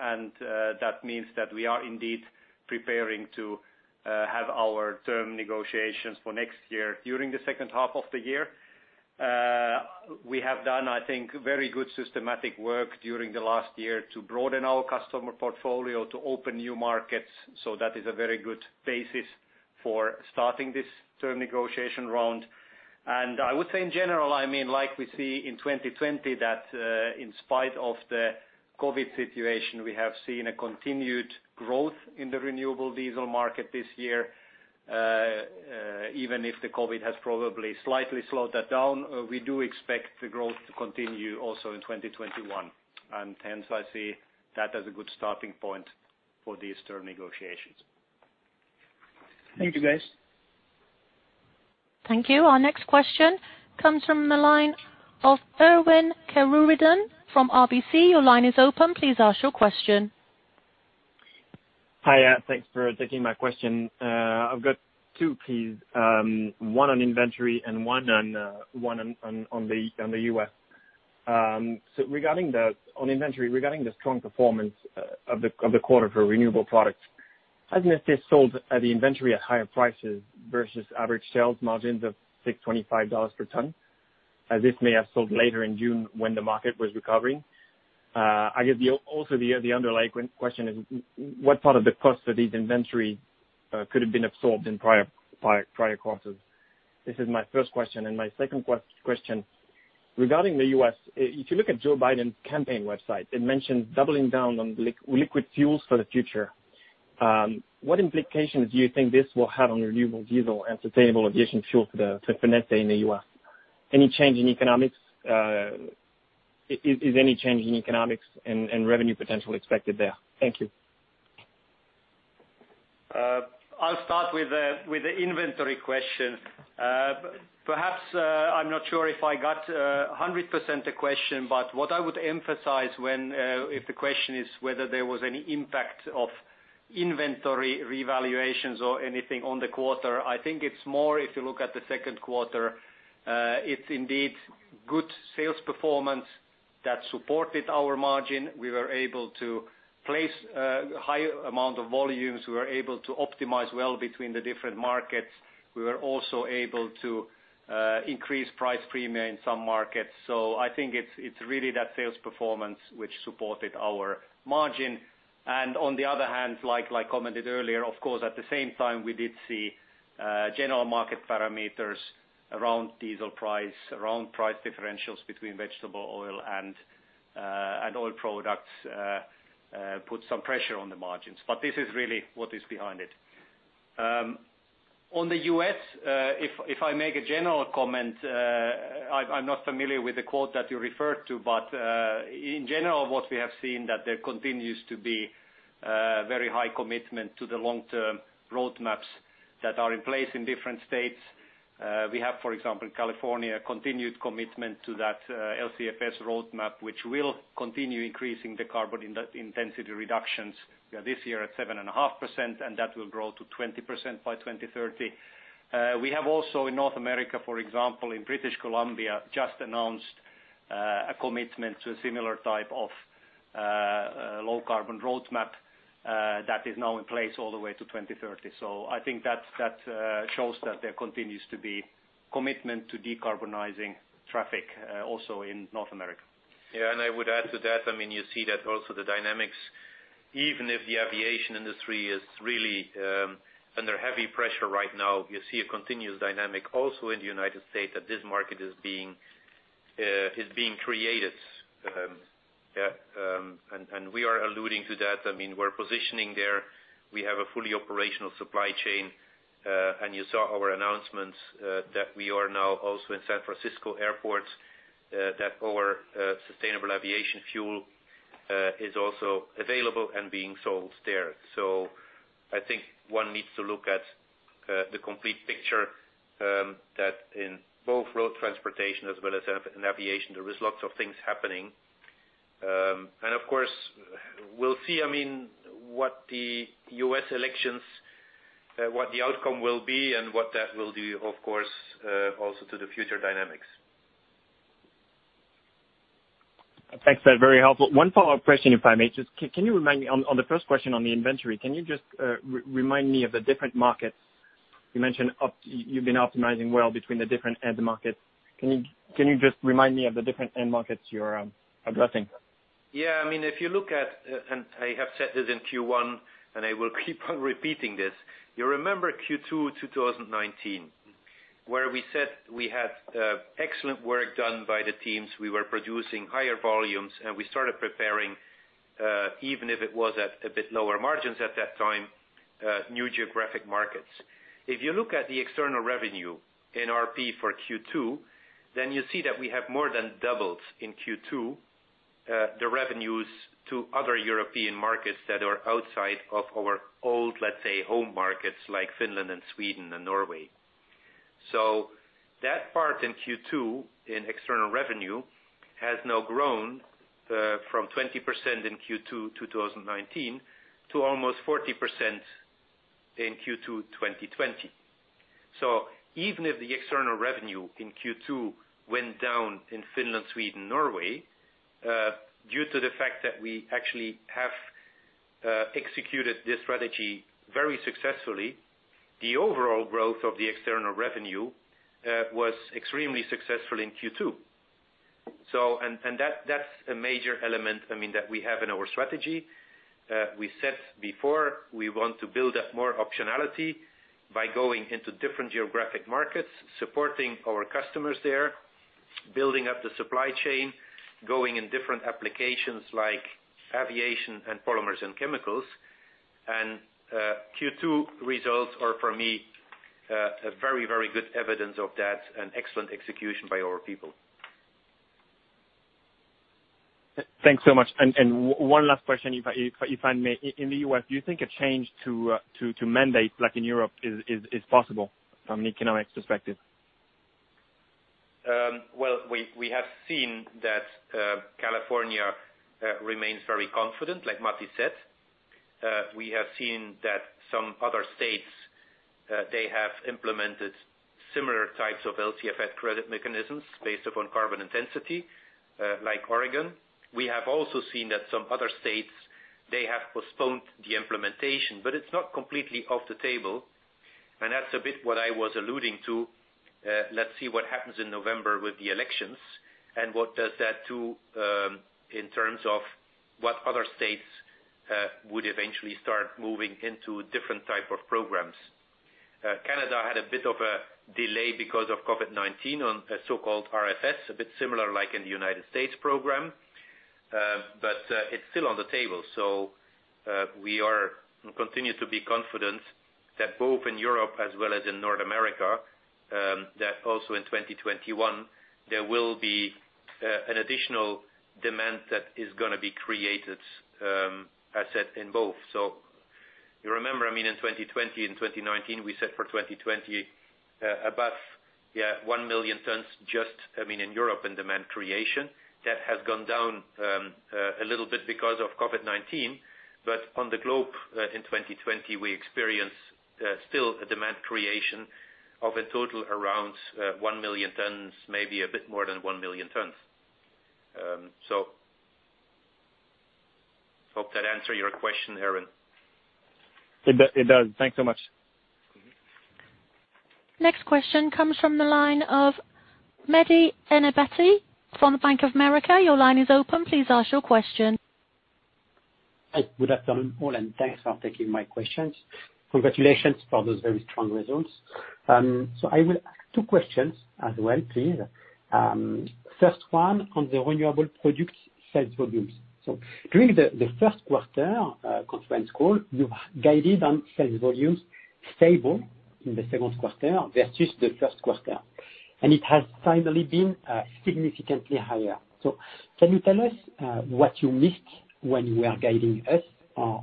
and that means that we are indeed preparing to have our term negotiations for next year during the second half of the year. We have done, I think, very good systematic work during the last year to broaden our customer portfolio to open new markets. That is a very good basis for starting this term negotiation round. I would say, in general, like we see in 2020, that in spite of the COVID-19 situation, we have seen a continued growth in the renewable diesel market this year. Even if the COVID-19 has probably slightly slowed that down, we do expect the growth to continue also in 2021. Hence I see that as a good starting point for these term negotiations. Thank you, guys. Thank you. Our next question comes from the line of Erwan Kerouredan from RBC. Your line is open. Please ask your question. Hi. Thanks for taking my question. I've got two, please. One on inventory and one on the U.S. Regarding the strong performance of the quarter for renewable products, has Neste sold the inventory at higher prices versus average sales margins of $625 per ton, as this may have sold later in June when the market was recovering? I guess also the underlying question is what part of the cost of these inventory could have been absorbed in prior costs? This is my first question. My second question, regarding the U.S., if you look at Joe Biden's campaign website, it mentions doubling down on liquid fuels for the future. What implications do you think this will have on renewable diesel and sustainable aviation fuel for Neste in the U.S.? Is any change in economics and revenue potential expected there? Thank you. I'll start with the inventory question. Perhaps, I'm not sure if I got 100% the question, but what I would emphasize if the question is whether there was any impact of inventory revaluations or anything on the quarter, I think it's more if you look at the second quarter, it's indeed good sales performance that supported our margin. We were able to place a high amount of volumes. We were able to optimize well between the different markets. We were also able to increase price premium in some markets. I think it's really that sales performance which supported our margin. On the other hand, like I commented earlier, of course, at the same time, we did see general market parameters around diesel price, around price differentials between vegetable oil and oil products put some pressure on the margins. This is really what is behind it. On the U.S., if I make a general comment, I'm not familiar with the quote that you referred to, but in general, what we have seen that there continues to be very high commitment to the long-term roadmaps that are in place in different states. We have, for example, in California, continued commitment to that LCFS roadmap, which will continue increasing the carbon intensity reductions this year at 7.5%, and that will grow to 20% by 2030. We have also in North America, for example, in British Columbia, just announced a commitment to a similar type of low-carbon roadmap that is now in place all the way to 2030. I think that shows that there continues to be commitment to decarbonizing traffic also in North America. I would add to that, you see that also the dynamics, even if the aviation industry is really under heavy pressure right now, you see a continuous dynamic also in the United States that this market is being created. We are alluding to that. We're positioning there. We have a fully operational supply chain, and you saw our announcements that we are now also in San Francisco Airport, that our sustainable aviation fuel is also available and being sold there. I think one needs to look at the complete picture that in both road transportation as well as in aviation, there is lots of things happening. Of course, we'll see what the U.S. elections, what the outcome will be and what that will do, of course, also to the future dynamics. Thanks. Very helpful. One follow-up question, if I may. On the first question on the inventory, can you just remind me of the different markets? You mentioned you've been optimizing well between the different end markets. Can you just remind me of the different end markets you're addressing? If you look at, I have said this in Q1, I will keep on repeating this. You remember Q2 2019, where we said we had excellent work done by the teams. We were producing higher volumes, we started preparing, even if it was at a bit lower margins at that time, new geographic markets. If you look at the external revenue in RP for Q2, you see that we have more than doubled in Q2 the revenues to other European markets that are outside of our old, let's say, home markets like Finland and Sweden and Norway. That part in Q2 in external revenue has now grown from 20% in Q2 2019 to almost 40% in Q2 2020. Even if the external revenue in Q2 went down in Finland, Sweden, Norway, due to the fact that we actually have executed this strategy very successfully, the overall growth of the external revenue was extremely successful in Q2. That's a major element that we have in our strategy. We said before, we want to build up more optionality by going into different geographic markets, supporting our customers there, building up the supply chain, going in different applications like aviation and polymers and chemicals. Q2 results are, for me, a very good evidence of that and excellent execution by our people. Thanks so much. One last question, if I may. In the U.S., do you think a change to mandate like in Europe is possible from an economic perspective? We have seen that California remains very confident, like Matti said. We have seen that some other states they have implemented similar types of LCFS credit mechanisms based upon carbon intensity, like Oregon. We have also seen that some other states, they have postponed the implementation, but it's not completely off the table, and that's a bit what I was alluding to. Let's see what happens in November with the elections and what does that do in terms of what other states would eventually start moving into different type of programs. Canada had a bit of a delay because of COVID-19 on a so-called CFS, a bit similar like in the United States program, but it's still on the table. We continue to be confident that both in Europe as well as in North America, that also in 2021, there will be an additional demand that is going to be created, as said in both. You remember, in 2020 and 2019, we said for 2020, above 1 million tons just in Europe in demand creation. That has gone down a little bit because of COVID-19. On the globe, in 2020, we experience still a demand creation of a total around 1 million tons, maybe a bit more than 1 million tons. Hope that answer your question, Erwan. It does. Thanks so much. Next question comes from the line of Mehdi Ennebati from Bank of America. Your line is open. Please ask your question. Hi. Good afternoon, all. Thanks for taking my questions. Congratulations for those very strong results. I will ask two questions as well, please. First one on the renewable products sales volumes. During the first quarter conference call, you guided on sales volumes stable in the second quarter versus the first quarter. It has finally been significantly higher. Can you tell us what you missed when you were guiding us, or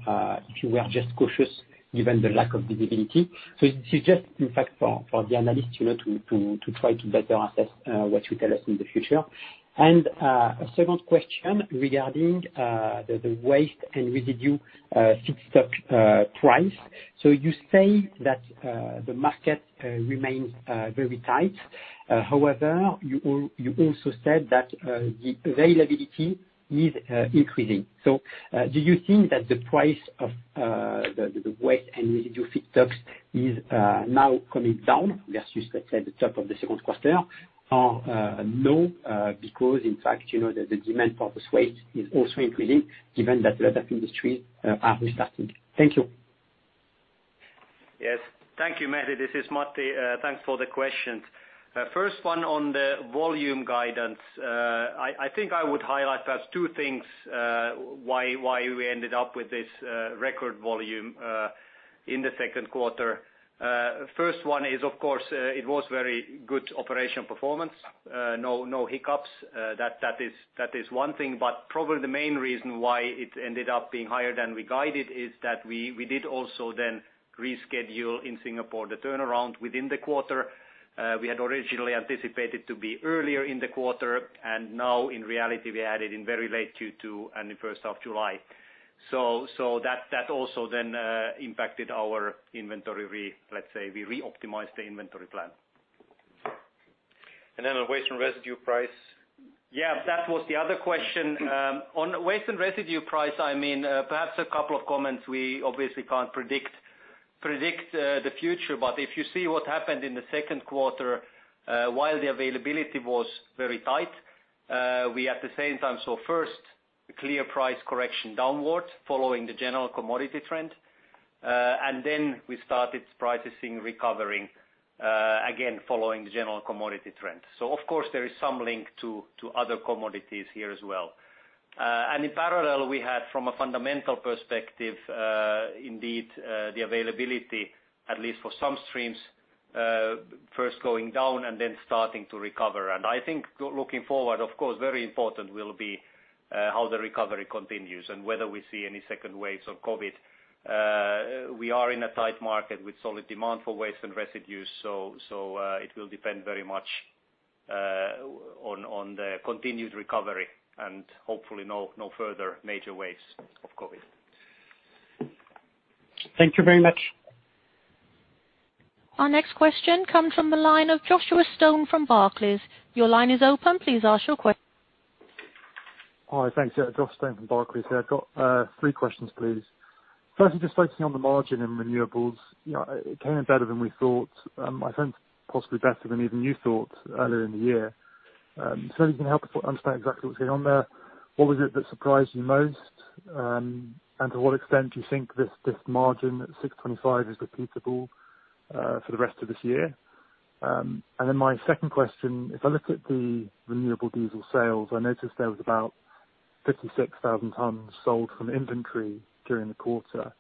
if you were just cautious given the lack of visibility? It's just in fact for the analyst, to try to better assess what you tell us in the future. A second question regarding the waste and residue feedstock price. You say that the market remains very tight. However, you also said that the availability is increasing. Do you think that the price of the waste and residue feedstocks is now coming down versus, let's say, the top of the second quarter, or no, because in fact, the demand for this waste is also increasing given that the other industries are restarting? Thank you. Yes. Thank you, Mehdi. This is Matti. Thanks for the questions. First one on the volume guidance. I think I would highlight perhaps two things, why we ended up with this record volume in the second quarter. First one is, of course, it was very good operation performance. No hiccups. That is one thing, but probably the main reason why it ended up being higher than we guided is that we did also then reschedule in Singapore the turnaround within the quarter. We had originally anticipated to be earlier in the quarter, and now in reality, we added in very late Q2 and the 1st of July. That also then impacted our inventory. Let's say we re-optimized the inventory plan. On waste and residue price. That was the other question. On waste and residue price, perhaps a couple of comments. We obviously can't predict the future, but if you see what happened in the second quarter, while the availability was very tight, we at the same time saw first, clear price correction downwards following the general commodity trend. We started prices recovering again following the general commodity trend. Of course, there is some link to other commodities here as well. In parallel, we had, from a fundamental perspective, indeed, the availability, at least for some streams, first going down and then starting to recover. I think looking forward, of course, very important will be how the recovery continues and whether we see any second waves of COVID. We are in a tight market with solid demand for waste and residues, so it will depend very much on the continued recovery and hopefully no further major waves of COVID. Thank you very much. Our next question comes from the line of Joshua Stone from Barclays. Your line is open. Please ask your. Hi. Thanks. Josh Stone from Barclays here. I've got three questions, please. Firstly, just focusing on the margin in renewables. It came in better than we thought. I think possibly better than even you thought earlier in the year. Can you help us understand exactly what's going on there? What was it that surprised you most? To what extent do you think this margin at $625 is repeatable for the rest of this year? My second question, if I look at the renewable diesel sales, I noticed there was about 56,000 tons sold from inventory during the quarter.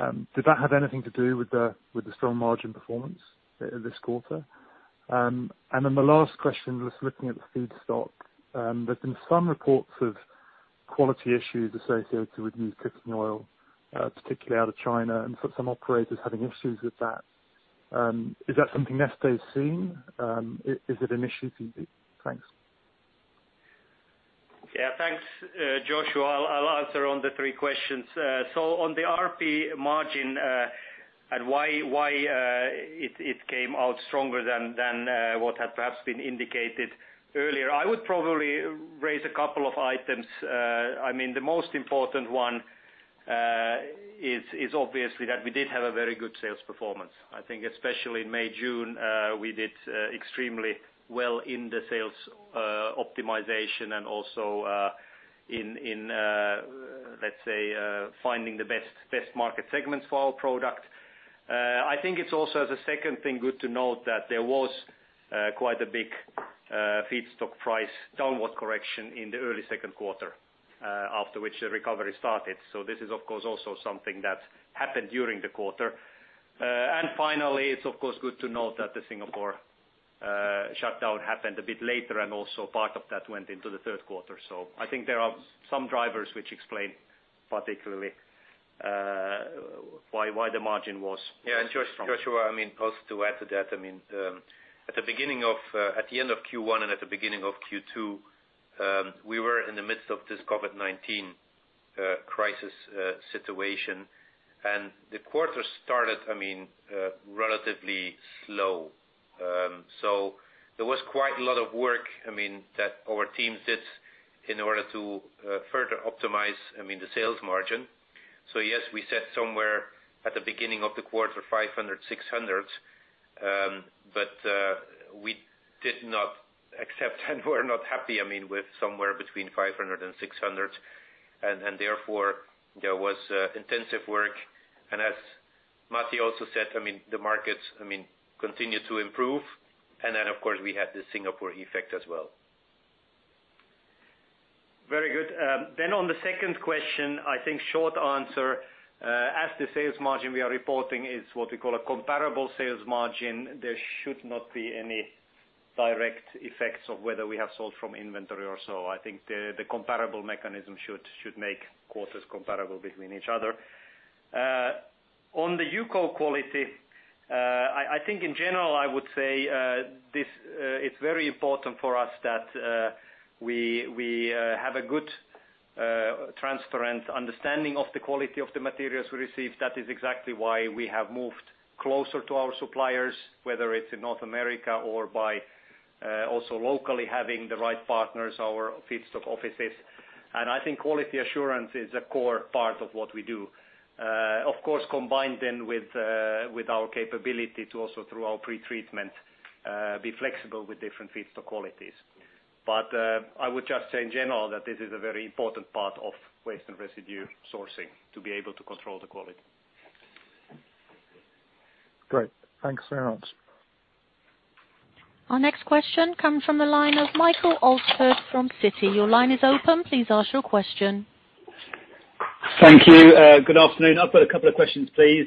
Did that have anything to do with the strong margin performance this quarter? The last question was looking at the feedstock. There's been some reports of quality issues associated with used cooking oil, particularly out of China, and some operators having issues with that. Is that something Neste is seeing? Is it an issue for you? Thanks. Thanks, Joshua. I'll answer on the three questions. On the Renewables Platform margin, and why it came out stronger than what had perhaps been indicated earlier, I would probably raise a couple of items. The most important one is obviously that we did have a very good sales performance. I think especially in May, June, we did extremely well in the sales optimization and also in, let's say, finding the best market segments for our product. I think it's also, as a second thing, good to note that there was quite a big feedstock price downward correction in the early second quarter, after which the recovery started. This is of course, also something that happened during the quarter. Finally, it's of course good to note that the Singapore shutdown happened a bit later, and also part of that went into the third quarter. I think there are some drivers which explain particularly why the margin was. Joshua, I mean, also to add to that, at the end of Q1 and at the beginning of Q2, we were in the midst of this COVID-19 crisis situation. The quarter started, I mean, relatively slow. There was quite a lot of work that our teams did in order to further optimize the sales margin. Yes, we said somewhere at the beginning of the quarter, 500, 600, but we did not accept and we're not happy with somewhere between 500 and 600. Therefore, there was intensive work. As Matti also said, the markets continue to improve, and then of course, we had the Singapore effect as well. Very good. On the second question, I think short answer, as the sales margin we are reporting is what we call a comparable sales margin, there should not be any direct effects of whether we have sold from inventory or so. I think the comparable mechanism should make quarters comparable between each other. On the UCO quality, I think in general, I would say it is very important for us that we have a good transparent understanding of the quality of the materials we receive. That is exactly why we have moved closer to our suppliers, whether it is in North America or by also locally having the right partners, our feedstock offices. I think quality assurance is a core part of what we do. Of course, combined then with our capability to also through our pretreatment, be flexible with different feedstock qualities. I would just say in general, that this is a very important part of waste and residue sourcing, to be able to control the quality. Great. Thanks for the answer. Our next question comes from the line of Michael Alsford from Citi. Your line is open. Please ask your question. Thank you. Good afternoon. I've got a couple of questions, please.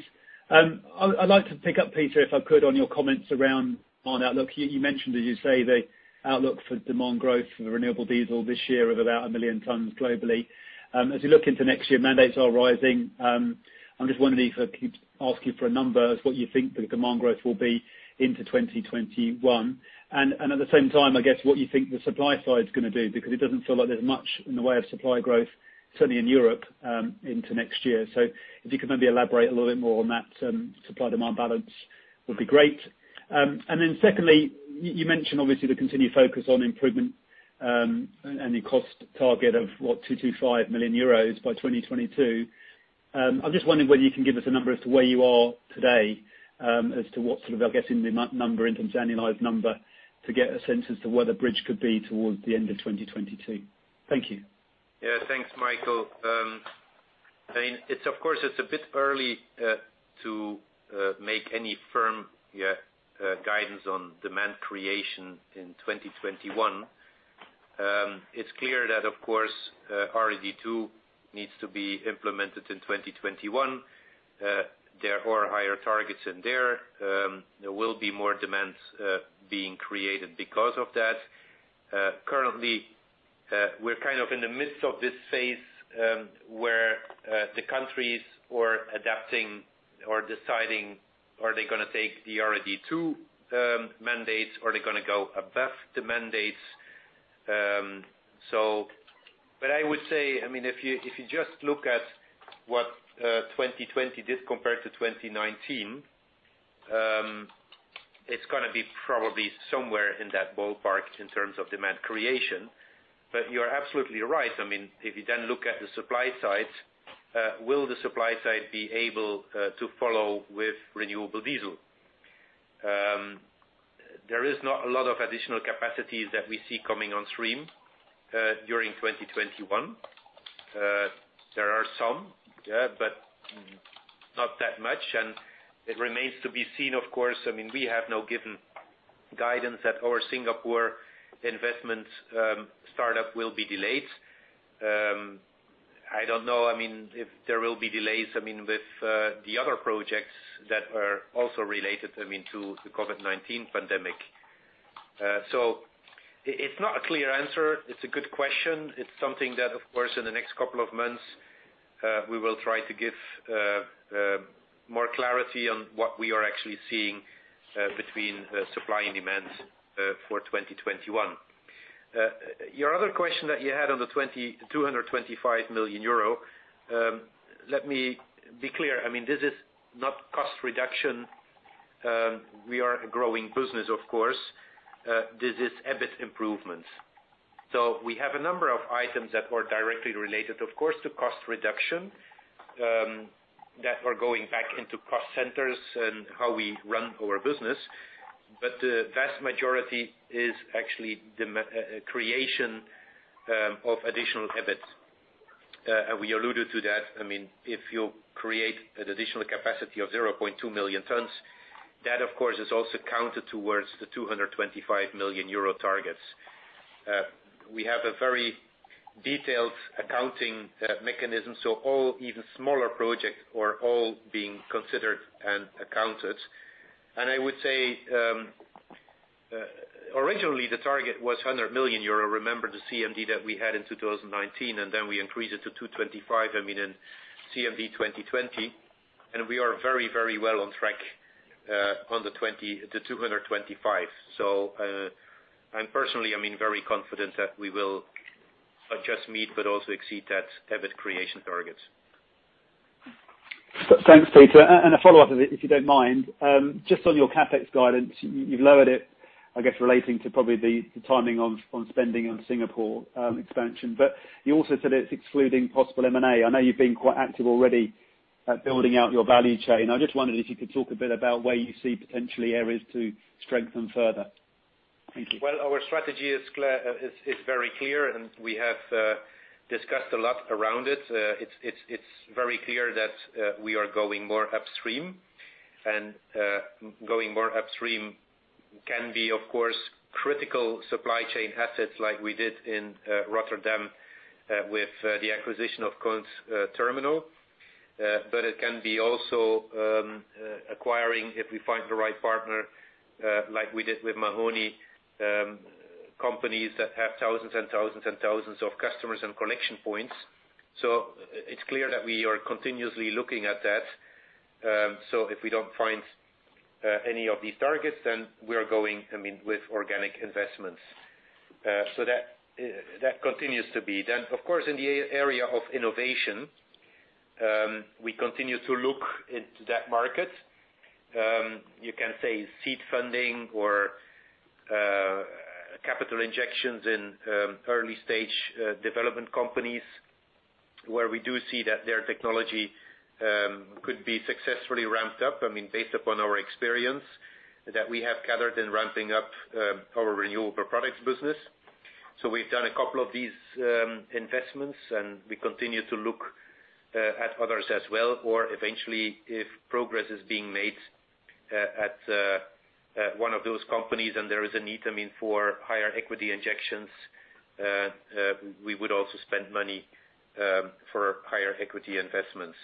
I'd like to pick up, Peter, if I could, on your comments around on outlook. You mentioned, as you say, the outlook for demand growth for the renewable diesel this year of about 1 million tons globally. As you look into next year, mandates are rising. I'm just wondering if keep asking for a number, what you think the demand growth will be into 2021, and at the same time, I guess, what you think the supply side is going to do, because it doesn't feel like there's much in the way of supply growth, certainly in Europe, into next year. If you could maybe elaborate a little bit more on that supply demand balance would be great. Secondly, you mentioned obviously the continued focus on improvement, and the cost target of what, 225 million euros by 2022. I am just wondering whether you can give us a number as to where you are today, as to what sort of getting the number in terms of annualized number to get a sense as to where the bridge could be towards the end of 2022. Thank you. Yeah. Thanks, Michael. Of course, it's a bit early to make any firm guidance on demand creation in 2021. It's clear that, of course, RED II needs to be implemented in 2021. There are higher targets in there. There will be more demands being created because of that. Currently, we're kind of in the midst of this phase, where the countries are adapting or deciding, are they going to take the RED II mandates? Are they going to go above the mandates? I would say, if you just look at what 2020 did compared to 2019, it's going to be probably somewhere in that ballpark in terms of demand creation. You are absolutely right. If you then look at the supply side, will the supply side be able to follow with renewable diesel? There is not a lot of additional capacities that we see coming on stream during 2021. There are some, but not that much, and it remains to be seen, of course. We have now given guidance that our Singapore investment startup will be delayed. I don't know if there will be delays with the other projects that are also related to the COVID-19 pandemic. It's not a clear answer. It's a good question. It's something that, of course, in the next couple of months, we will try to give more clarity on what we are actually seeing between supply and demand for 2021. Your other question that you had on the 225 million euro. Let me be clear. This is not cost reduction. We are a growing business, of course. This is EBIT improvements. We have a number of items that were directly related, of course, to cost reduction, that were going back into cost centers and how we run our business. The vast majority is actually the creation of additional EBIT. We alluded to that. If you create an additional capacity of 0.2 million tons, that, of course, is also counted towards the 225 million euro targets. We have a very detailed accounting mechanism, so all even smaller projects are all being considered and accounted. I would say, originally the target was 100 million euro. Remember the CMD that we had in 2019, and then we increased it to 225 in CMD 2020, and we are very well on track on the 225. I'm personally very confident that we will not just meet, but also exceed that EBIT creation targets. Thanks, Peter. A follow-up, if you don't mind. Just on your CapEx guidance, you've lowered it, I guess, relating to probably the timing on spending on Singapore expansion. You also said it's excluding possible M&A. I know you've been quite active already at building out your value chain. I just wondered if you could talk a bit about where you see potentially areas to strengthen further. Thank you. Well, our strategy is very clear, and we have discussed a lot around it. It's very clear that we are going more upstream. Can be, of course, critical supply chain assets like we did in Rotterdam with the acquisition of Count Terminal. It can be also acquiring, if we find the right partner, like we did with Mahoney, companies that have thousands of customers and connection points. It's clear that we are continuously looking at that. If we don't find any of these targets, we are going with organic investments. That continues to be. Of course, in the area of innovation, we continue to look into that market. You can say seed funding or capital injections in early-stage development companies, where we do see that their technology could be successfully ramped up, based upon our experience that we have gathered in ramping up our renewable products business. We've done a couple of these investments, and we continue to look at others as well. Eventually, if progress is being made at one of those companies and there is a need for higher equity injections, we would also spend money for higher equity investments.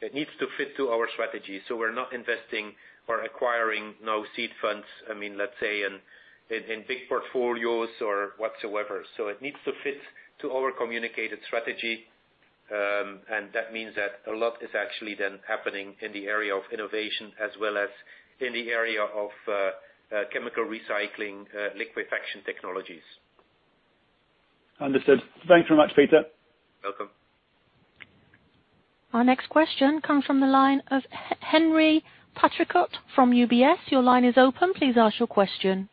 It needs to fit to our strategy. We're not investing or acquiring now seed funds, let's say, in big portfolios or whatsoever. It needs to fit to our communicated strategy, and that means that a lot is actually then happening in the area of innovation as well as in the area of chemical recycling, liquefaction technologies. Understood. Thanks very much, Peter. Welcome. Our next question comes from the line of Henri Patricot from UBS. Your line is open. Please ask your question.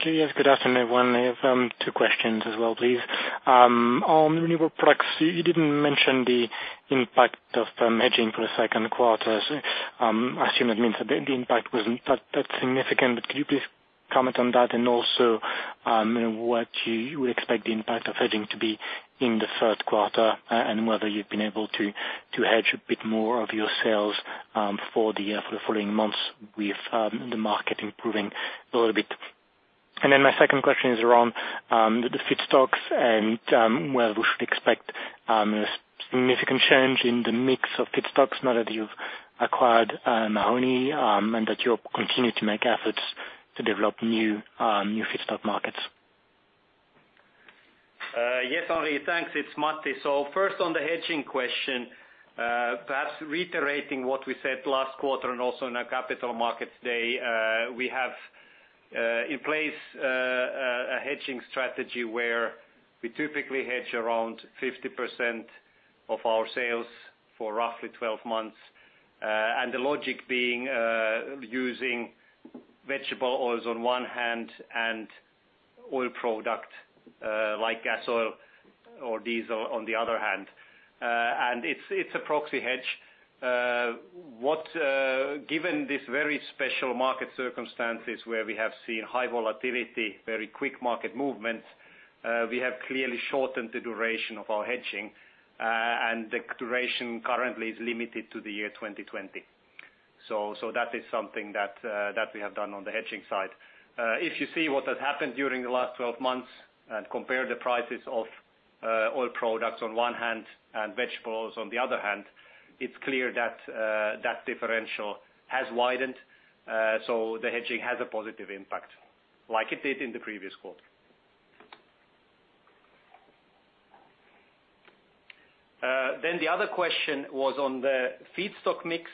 Okay. Yes, good afternoon, everyone. I have two questions as well, please. On renewable products, you didn't mention the impact of hedging for the second quarter. I assume that means that the impact wasn't that significant. Could you please comment on that? Also, what you would expect the impact of hedging to be in the third quarter, and whether you've been able to hedge a bit more of your sales for the following months with the market improving a little bit. Then my second question is around the feedstocks and whether we should expect a significant change in the mix of feedstocks now that you've acquired Mahoney, and that you'll continue to make efforts to develop new feedstock markets. Yes, Henri. Thanks. It's Matti. First on the hedging question, perhaps reiterating what we said last quarter and also in our Capital Markets Day, we have in place a hedging strategy where we typically hedge around 50% of our sales for roughly 12 months. The logic being using vegetable oils on one hand, and oil product like gas oil or diesel on the other hand. It's a proxy hedge. Given this very special market circumstances where we have seen high volatility, very quick market movements, we have clearly shortened the duration of our hedging. The duration currently is limited to the year 2020. That is something that we have done on the hedging side. If you see what has happened during the last 12 months and compare the prices of oil products on one hand and vegetables on the other hand, it's clear that that differential has widened. The hedging has a positive impact, like it did in the previous quarter. The other question was on the feedstock mix.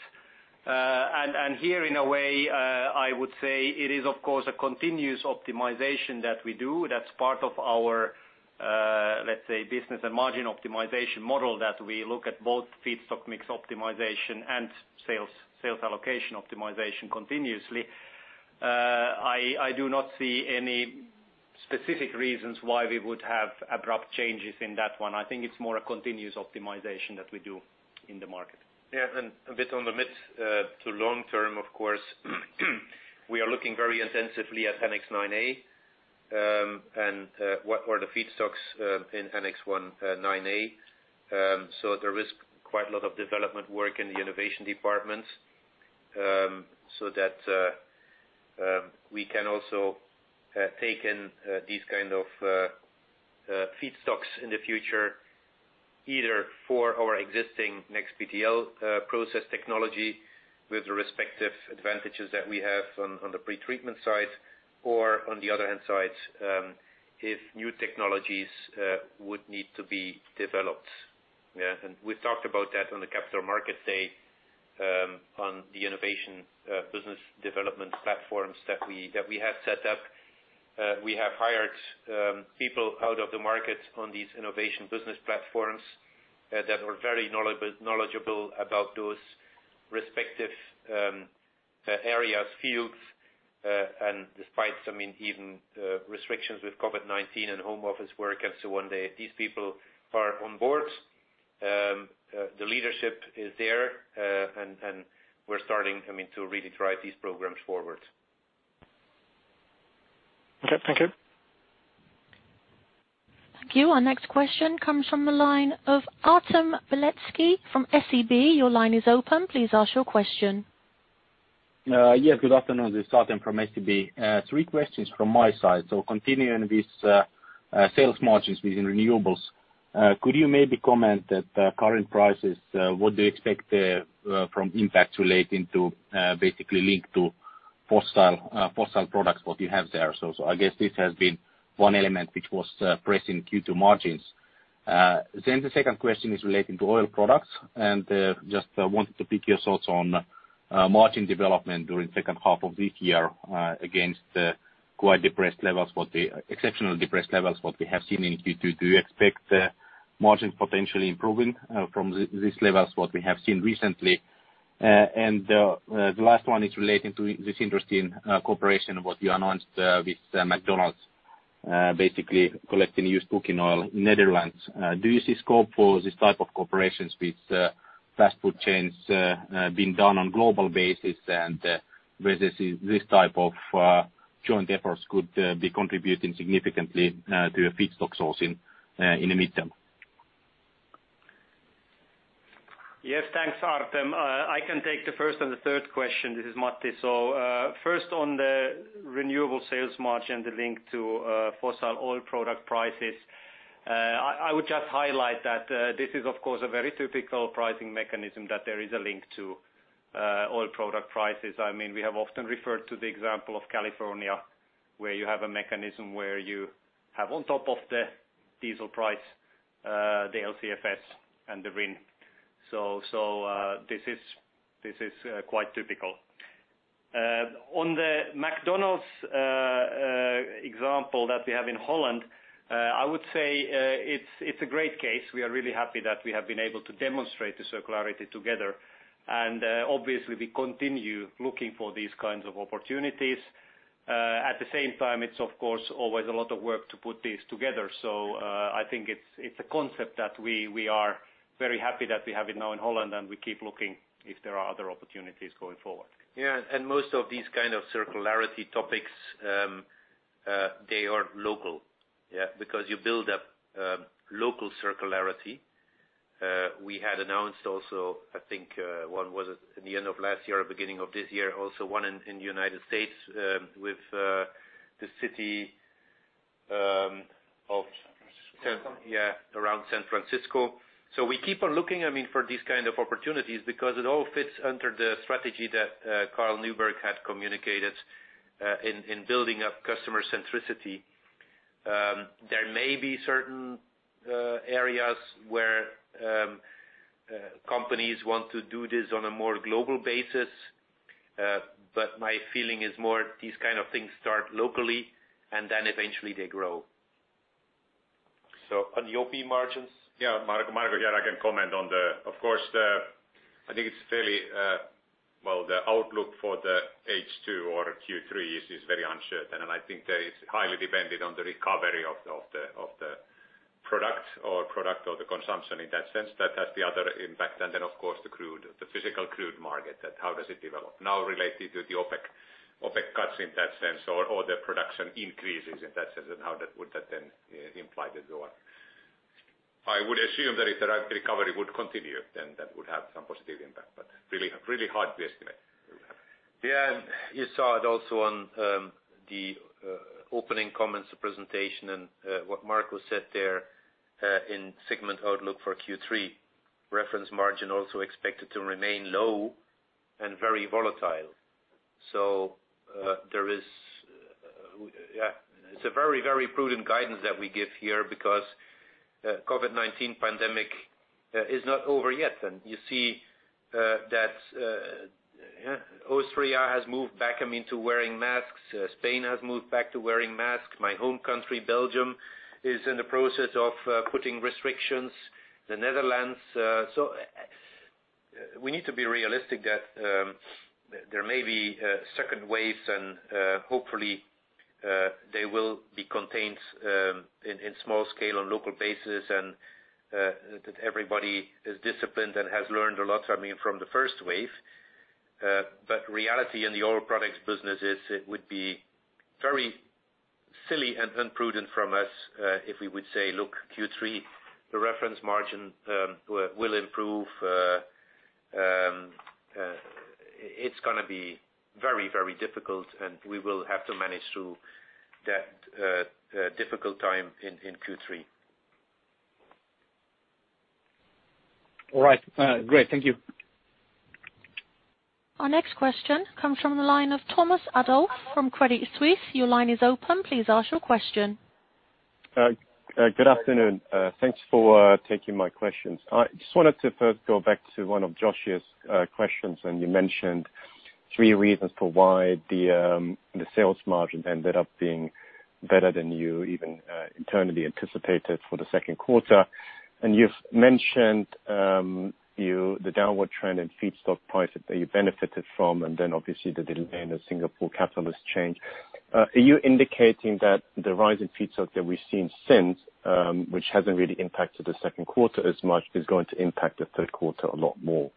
Here in a way, I would say it is, of course, a continuous optimization that we do that's part of our, let's say, business and margin optimization model that we look at both feedstock mix optimization and sales allocation optimization continuously. I do not see any specific reasons why we would have abrupt changes in that one. I think it's more a continuous optimization that we do in the market. A bit on the mid to long term, of course, we are looking very intensively at Annex IX A, and what are the feedstocks in Annex IX A. There is quite a lot of development work in the innovation department, so that we can also take in these kind of feedstocks in the future, either for our existing NEXBTL process technology with the respective advantages that we have on the pretreatment side or, on the other hand side, if new technologies would need to be developed. We've talked about that on the Capital Markets Day, on the innovation business development platforms that we have set up. We have hired people out of the market on these innovation business platforms that are very knowledgeable about those respective areas, fields. Despite even restrictions with COVID-19 and home office work and so on, these people are on board. The leadership is there. We're starting to really drive these programs forward. Okay. Thank you. Thank you. Our next question comes from the line of Artem Beletski from SEB. Your line is open. Please ask your question. Yes, good afternoon. This is Artem from SEB. Three questions from my side. Continuing this sales margins within renewables, could you maybe comment that current prices, what do you expect from impact relating to basically link to fossil products, what you have there? I guess this has been one element which was pressing Q2 margins. The second question is relating to oil products, and just wanted to pick your thoughts on margin development during second half of this year against the quite exceptional depressed levels what we have seen in Q2. Do you expect margin potentially improving from these levels what we have seen recently? The last one is relating to this interesting cooperation what you announced with McDonald's, basically collecting used cooking oil in Netherlands. Do you see scope for these type of cooperations with fast food chains being done on global basis, and whether this type of joint efforts could be contributing significantly to a feedstock source in the midterm? Yes, thanks, Artem. I can take the first and the third question. This is Matti. First, on the renewable sales margin, the link to fossil oil product prices. I would just highlight that this is, of course, a very typical pricing mechanism that there is a link to oil product prices. We have often referred to the example of California, where you have a mechanism where you have on top of the diesel price, the LCFS and the RIN. This is quite typical. On the McDonald's example that we have in Holland, I would say it's a great case. We are really happy that we have been able to demonstrate the circularity together. Obviously, we continue looking for these kinds of opportunities. At the same time, it's of course, always a lot of work to put this together. I think it's a concept that we are very happy that we have it now in Holland, and we keep looking if there are other opportunities going forward. Yeah, most of these kinds of circularity topics, they are local. You build up local circularity. We had announced also, I think, one was at the end of last year or beginning of this year, also one in the U.S., with the city- San Francisco Yeah, around San Francisco. We keep on looking for these kind of opportunities because it all fits under the strategy that Carl Nyberg had communicated in building up customer centricity. There may be certain areas where companies want to do this on a more global basis. My feeling is more these kind of things start locally, and then eventually they grow. On the OP margins? Yeah, Marko here, I can comment. Of course, I think it's fairly, well, the outlook for the H2 or Q3 is very uncertain. I think that is highly dependent on the recovery of the product or the consumption in that sense. That's the other impact. Of course, the physical crude market, how does it develop now related to the OPEC cuts in that sense, or the production increases in that sense, and how would that then imply the go on. I would assume that if the recovery would continue, then that would have some positive impact, but really hard to estimate. Yeah, you saw it also on the opening comments, the presentation, and what Marko said there, in segment outlook for Q3, reference margin also expected to remain low and very volatile. It's a very prudent guidance that we give here because COVID-19 pandemic is not over yet. You see that Austria has moved back into wearing masks. Spain has moved back to wearing masks. My home country, Belgium, is in the process of putting restrictions. The Netherlands. We need to be realistic that there may be a second wave, and hopefully they will be contained in small scale on local basis, and that everybody is disciplined and has learned a lot from the first wave. Reality in the Oil Products business is it would be very silly and imprudent from us if we would say, "Look, Q3, the reference margin will improve." It's going to be very difficult, and we will have to manage through that difficult time in Q3. All right. Great. Thank you. Our next question comes from the line of Thomas Adolff from Credit Suisse. Your line is open. Please ask your question. Good afternoon. Thanks for taking my questions. I just wanted to first go back to one of Josh's questions when you mentioned three reasons for why the sales margin ended up being better than you even internally anticipated for the second quarter. You've mentioned the downward trend in feedstock prices that you benefited from, and then obviously the delay in the Singapore catalyst change. Are you indicating that the rise in feedstock that we've seen since, which hasn't really impacted the second quarter as much, is going to impact the third quarter a lot more?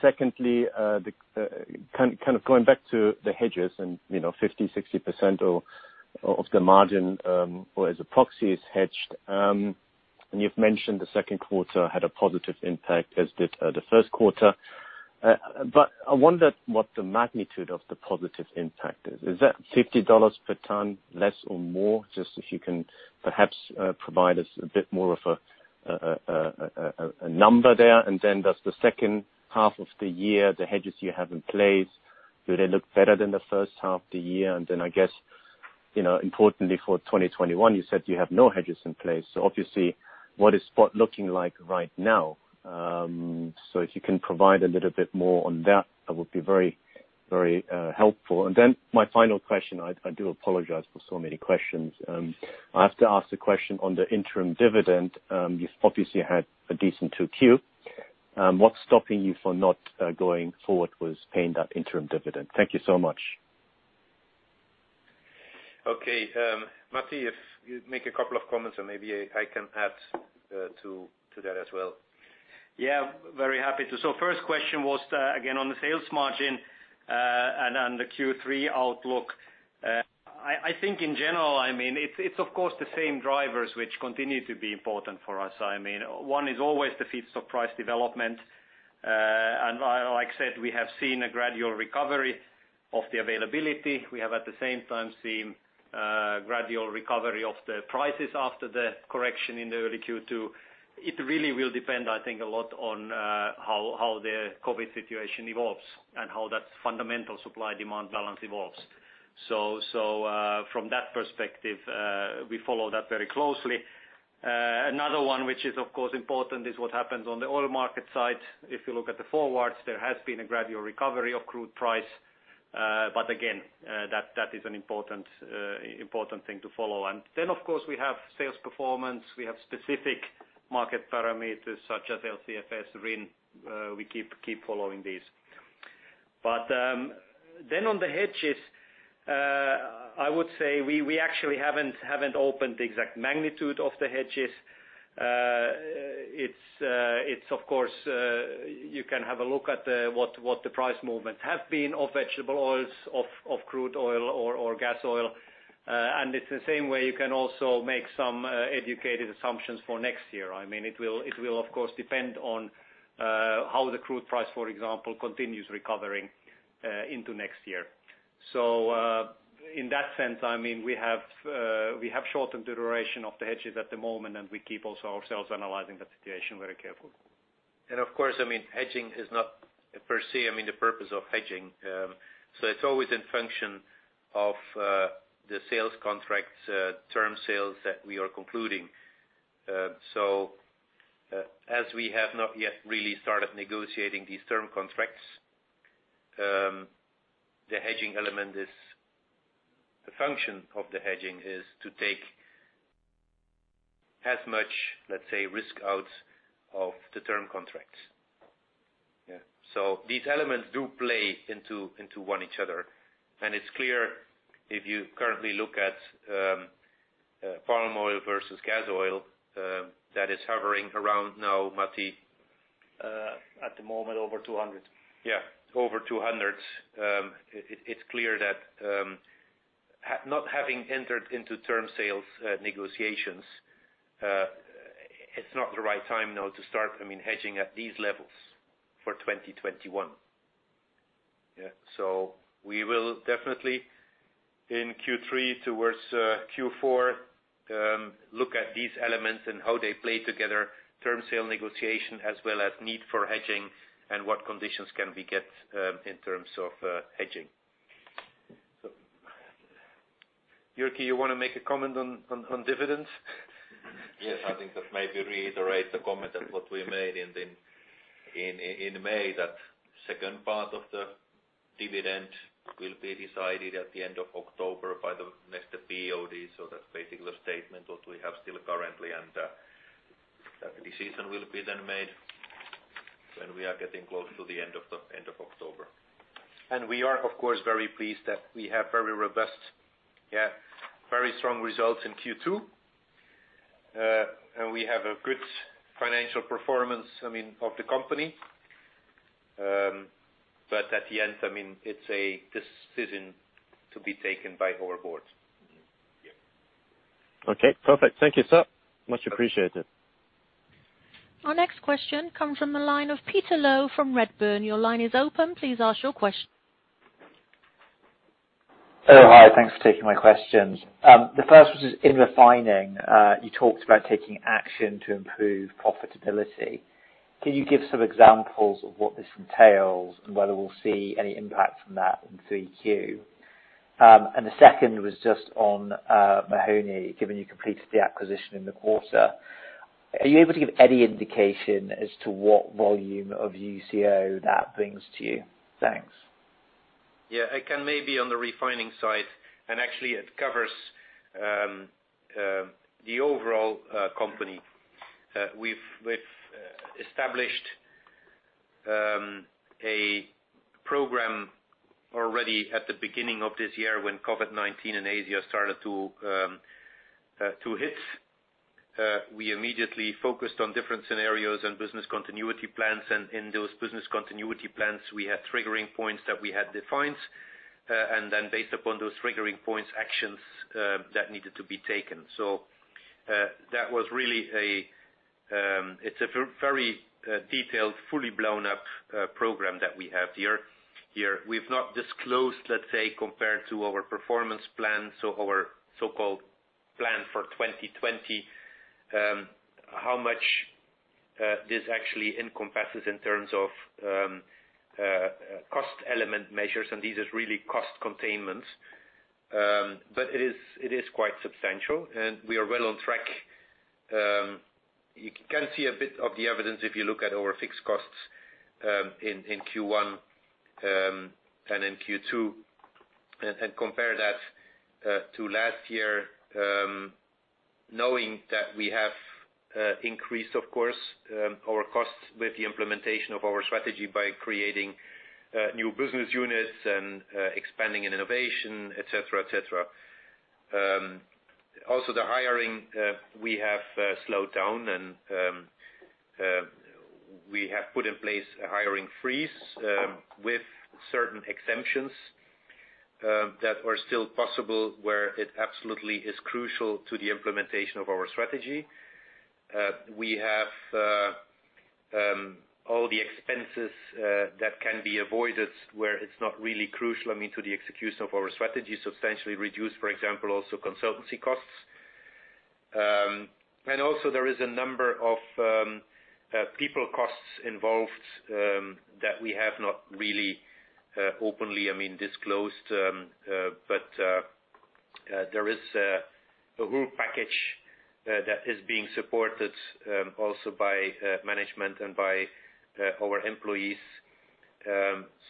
Secondly, kind of going back to the hedges and 50%-60% of the margin, or as a proxy, is hedged. You've mentioned the second quarter had a positive impact, as did the first quarter. I wonder what the magnitude of the positive impact is. Is that EUR 50 per ton less or more? If you can perhaps provide us a bit more of a number there. Does the second half of the year, the hedges you have in place, do they look better than the first half of the year? I guess, importantly for 2021, you said you have no hedges in place. Obviously, what is spot looking like right now? If you can provide a little bit more on that would be very helpful. My final question, I do apologize for so many questions. I have to ask a question on the interim dividend. You've obviously had a decent Q2. What's stopping you for not going forward with paying that interim dividend? Thank you so much. Okay. Matti, if you make a couple of comments, maybe I can add to that as well. Yeah, very happy to. First question was, again, on the sales margin, and on the Q3 outlook. I think in general, it's of course the same drivers which continue to be important for us. One is always the feedstock price development. Like I said, we have seen a gradual recovery of the availability. We have at the same time seen gradual recovery of the prices after the correction in the early Q2. It really will depend, I think, a lot on how the COVID-19 situation evolves and how that fundamental supply-demand balance evolves. From that perspective, we follow that very closely. Another one which is of course important is what happens on the oil market side. If you look at the forwards, there has been a gradual recovery of crude price. Again, that is an important thing to follow. Of course, we have sales performance. We have specific market parameters such as LCFS, RIN. We keep following these. On the hedges, I would say we actually haven't opened the exact magnitude of the hedges. Of course, you can have a look at what the price movement have been of vegetable oils, of crude oil or gas oil. It's the same way you can also make some educated assumptions for next year. It will of course depend on how the crude price, for example, continues recovering into next year. In that sense, we have shortened the duration of the hedges at the moment, and we keep also ourselves analyzing that situation very carefully. Of course, hedging is not per se the purpose of hedging. It's always in function of the sales contracts, term sales that we are concluding. As we have not yet really started negotiating these term contracts, the function of the hedging is to take as much, let's say, risk out of the term contracts. Yeah. These elements do play into one each other. It's clear if you currently look at palm oil versus gas oil, that is hovering around now, Matti? At the moment over 200. Yeah. Over 200. It's clear that not having entered into term sales negotiations, it's not the right time now to start hedging at these levels for 2021. Yeah. We will definitely in Q3 towards Q4, look at these elements and how they play together, term sale negotiation as well as need for hedging and what conditions can we get in terms of hedging. Jyrki, you want to make a comment on dividends? Yes, I think that maybe reiterate the comment that what we made in May, that second part of the dividend will be decided at the end of October by the next BOD. That particular statement what we have still currently, and that decision will be then made when we are getting close to the end of October. We are, of course, very pleased that we have very robust- Yeah Very strong results in Q2. We have a good financial performance of the company. At the end, it's a decision to be taken by our board. Yeah. Okay, perfect. Thank you, sir. Much appreciated. Our next question comes from the line of Peter Low from Redburn. Your line is open. Please ask your question. Oh, hi. Thanks for taking my questions. The first was in refining. You talked about taking action to improve profitability. Can you give some examples of what this entails and whether we'll see any impact from that in Q3? The second was just on Mahoney Environmental, given you completed the acquisition in the quarter. Are you able to give any indication as to what volume of UCO that brings to you? Thanks. Yeah. I can maybe on the refining side, actually it covers the overall company. We've established a program already at the beginning of this year when COVID-19 in Asia started to hit. We immediately focused on different scenarios and business continuity plans. In those business continuity plans, we had triggering points that we had defined, then based upon those triggering points, actions that needed to be taken. It's a very detailed, fully blown up program that we have here. We've not disclosed, let's say, compared to our performance plan, so our so-called plan for 2020, how much this actually encompasses in terms of cost element measures, this is really cost containments. It is quite substantial, and we are well on track. You can see a bit of the evidence if you look at our fixed costs in Q1 and in Q2 and compare that to last year, knowing that we have increased, of course, our costs with the implementation of our strategy by creating new business units and expanding in innovation, et cetera. Also the hiring, we have slowed down, and we have put in place a hiring freeze with certain exemptions that were still possible where it absolutely is crucial to the implementation of our strategy. We have all the expenses that can be avoided where it's not really crucial to the execution of our strategy, substantially reduced, for example, also consultancy costs. There is a number of people costs involved that we have not really openly disclosed. There is a whole package that is being supported also by management and by our employees,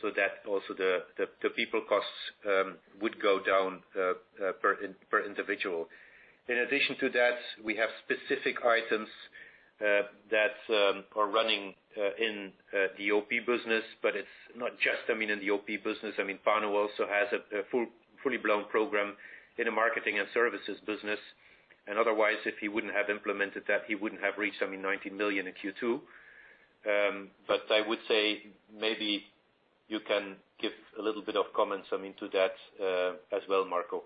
so that also the people costs would go down per individual. In addition to that, we have specific items that are running in the OP business, but it's not just in the OP business. Panu also has a fully blown program in the Marketing & Services business. Otherwise, if he wouldn't have implemented that, he wouldn't have reached 90 million in Q2. I would say maybe you can give a little bit of comments to that as well, Marko.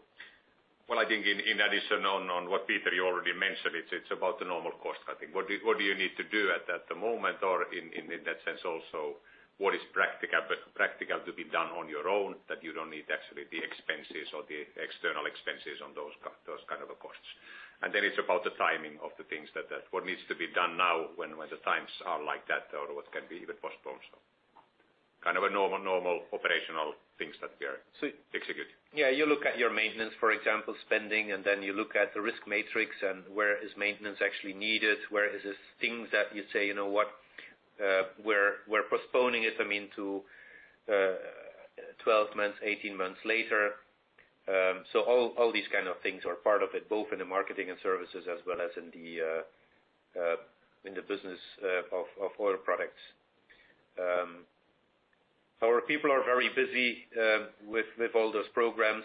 Well, I think in addition on what, Peter, you already mentioned, it's about the normal cost cutting. What do you need to do at the moment or in that sense also, what is practical to be done on your own that you don't need actually the expenses or the external expenses on those kind of costs. It's about the timing of the things that what needs to be done now when the times are like that or what can be even postponed. Kind of a normal operational things that we are executing. Yeah, you look at your maintenance, for example, spending, you look at the risk matrix and where is maintenance actually needed, where is things that you say, we're postponing it to 12 months, 18 months later. All these kind of things are part of it, both in the Marketing & Services as well as in the business of Oil Products. Our people are very busy with all those programs.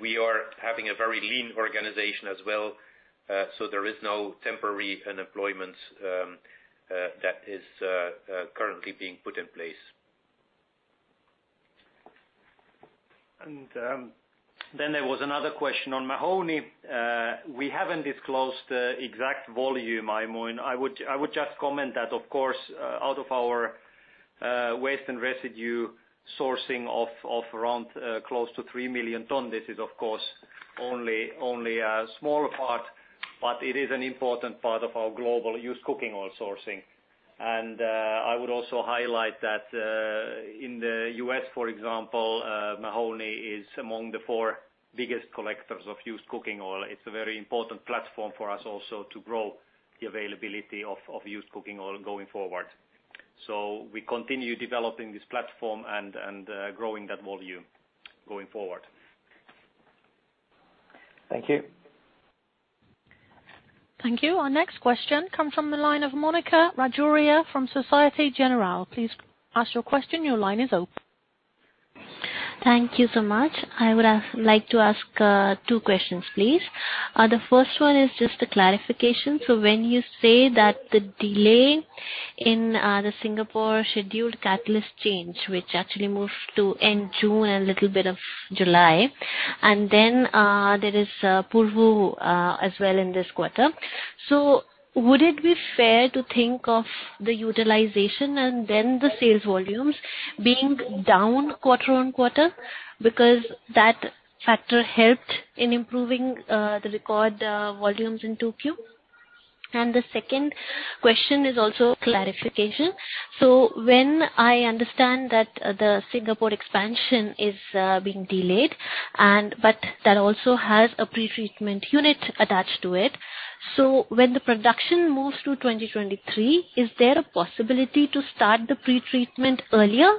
We are having a very lean organization as well. There is no temporary unemployment that is currently being put in place. There was another question on Mahoney. We haven't disclosed the exact volume. I would just comment that, of course, out of our waste and residue sourcing of around close to 3 million tons. This is of course only a small part, but it is an important part of our global used cooking oil sourcing. I would also highlight that in the U.S., for example, Mahoney is among the four biggest collectors of used cooking oil. It's a very important platform for us also to grow the availability of used cooking oil going forward. We continue developing this platform and growing that volume going forward. Thank you. Thank you. Our next question comes from the line of Monika Rajoria from Société Générale. Please ask your question. Your line is open. Thank you so much. I would like to ask two questions, please. The first one is just a clarification. When you say that the delay in the Singapore scheduled catalyst change, which actually moved to end June and a little bit of July, and then there is Porvoo as well in this quarter. Would it be fair to think of the utilization and then the sales volumes being down quarter-on-quarter because that factor helped in improving the record volumes in Q2? The second question is also clarification. When I understand that the Singapore expansion is being delayed, but that also has a pretreatment unit attached to it. When the production moves to 2023, is there a possibility to start the pretreatment earlier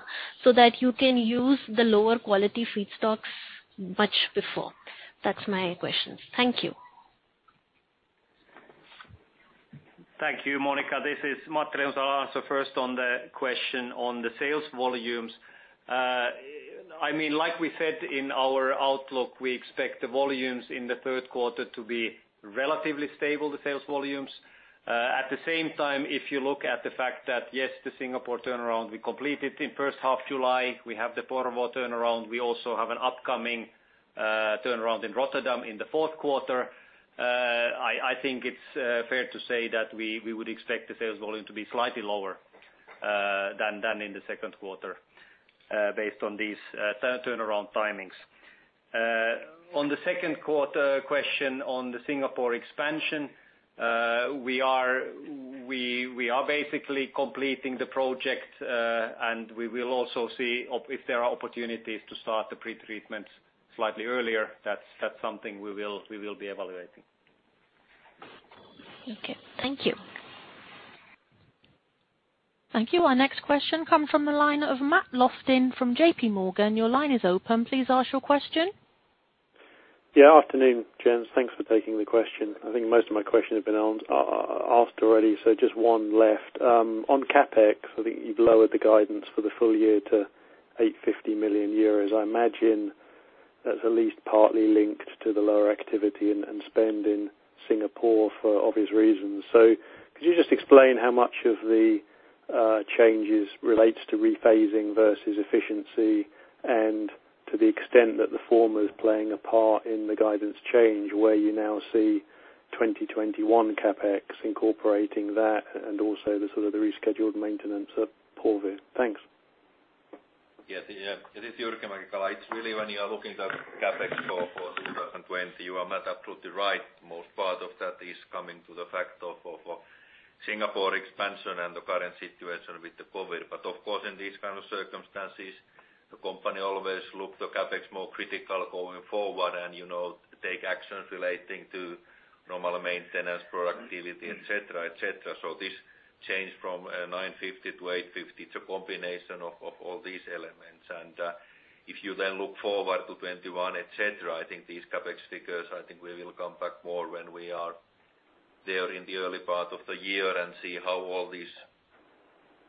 so that you can use the lower quality feedstocks much before? That's my questions. Thank you. Thank you, Monika. This is Matti. I will answer first on the question on the sales volumes. Like we said in our outlook, we expect the volumes in the third quarter to be relatively stable, the sales volumes. At the same time, if you look at the fact that, yes, the Singapore turnaround, we completed in first half July, we have the Porvoo turnaround. We also have an upcoming turnaround in Rotterdam in the fourth quarter. I think it's fair to say that we would expect the sales volume to be slightly lower than in the second quarter based on these turnaround timings. On the second quarter question on the Singapore expansion, we are basically completing the project, and we will also see if there are opportunities to start the pretreatment slightly earlier. That's something we will be evaluating. Okay. Thank you. Thank you. Our next question comes from the line of Matt Lofting from JPMorgan. Your line is open. Please ask your question. Afternoon, gents. Thanks for taking the question. I think most of my questions have been asked already, just one left. On CapEx, I think you've lowered the guidance for the full year to 850 million euros. I imagine that's at least partly linked to the lower activity and spend in Singapore for obvious reasons. Could you just explain how much of the changes relates to rephasing versus efficiency, and to the extent that the former is playing a part in the guidance change, where you now see 2021 CapEx incorporating that and also the sort of the rescheduled maintenance at Porvoo? Thanks. Yes. It is Jyrki Mäki-Kala. It's really when you are looking at CapEx for 2020, you are absolutely right. Most part of that is coming to the fact of Singapore expansion and the current situation with the COVID-19. Of course, in these kind of circumstances, the company always look to CapEx more critical going forward and take actions relating to normal maintenance, productivity, et cetera. This change from 950-850, it's a combination of all these elements. If you then look forward to 2021, et cetera, I think these CapEx figures, I think we will come back more when we are there in the early part of the year and see how all these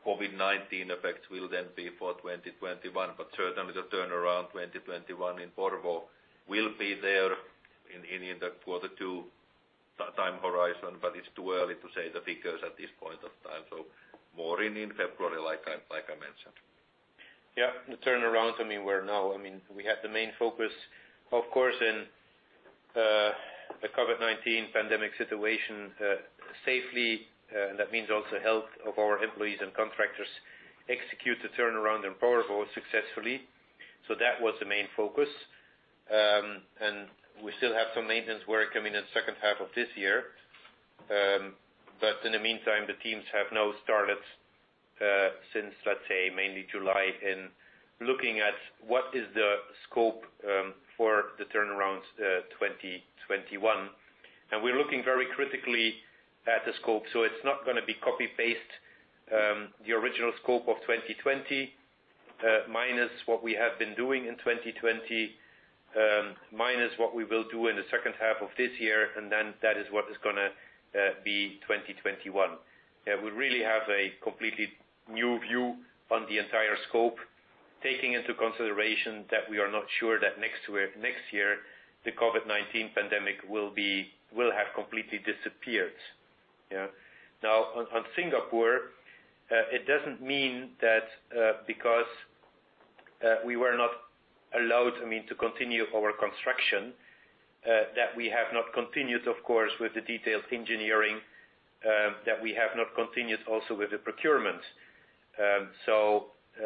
COVID-19 effects will then be for 2021. Certainly, the turnaround 2021 in Porvoo will be there in the quarter two time horizon. It's too early to say the figures at this point of time. More in February, like I mentioned. The turnaround, we had the main focus, of course, in the COVID-19 pandemic situation safely, that means also health of our employees and contractors, execute the turnaround in Porvoo successfully. That was the main focus. We still have some maintenance work in the second half of this year. In the meantime, the teams have now started, since, let's say, mainly July, in looking at what is the scope for the turnarounds 2021. We're looking very critically at the scope. It's not going to be copy-paste, the original scope of 2020, minus what we have been doing in 2020, minus what we will do in the second half of this year, and then that is what is going to be 2021. We really have a completely new view on the entire scope, taking into consideration that we are not sure that next year, the COVID-19 pandemic will have completely disappeared. On Singapore, it doesn't mean that because we were not allowed to continue our construction that we have not continued, of course, with the detailed engineering, that we have not continued also with the procurement.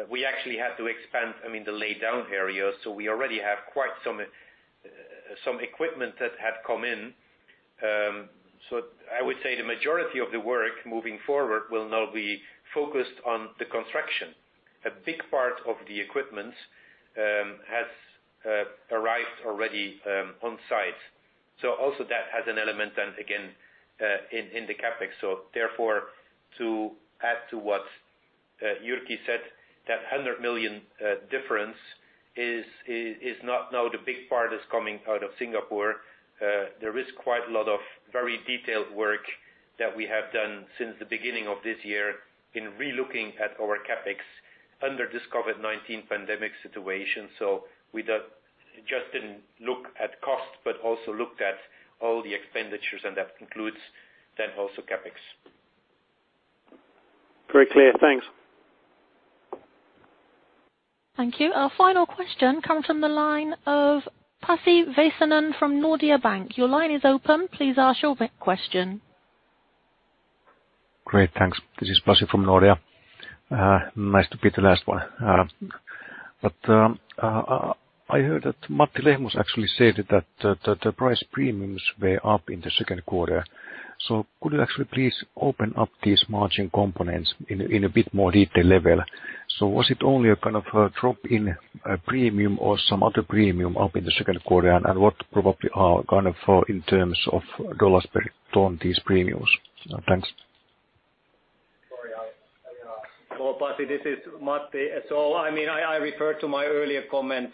We actually had to expand the laydown area, so we already have quite some equipment that have come in. I would say the majority of the work moving forward will now be focused on the construction. A big part of the equipment has arrived already on site. Also that has an element, and again, in the CapEx. Therefore, to add to what Jyrki said, that 100 million difference is not now the big part is coming out of Singapore. There is quite a lot of very detailed work that we have done since the beginning of this year in relooking at our CapEx under this COVID-19 pandemic situation. We just didn't look at cost, but also looked at all the expenditures, and that includes then also CapEx. Very clear. Thanks. Thank you. Our final question comes from the line of Pasi Väisänen from Nordea Bank. Your line is open. Please ask your question. Great, thanks. This is Pasi from Nordea. Nice to be the last one. I heard that Matti Lehmus actually said that the price premiums were up in the second quarter. Could you actually please open up these margin components in a bit more detail level? Was it only a kind of a drop in premium or some other premium up in the second quarter? What probably are, kind of, in terms of dollars per ton, these premiums? Thanks. Well, Pasi, this is Matti. I refer to my earlier comments.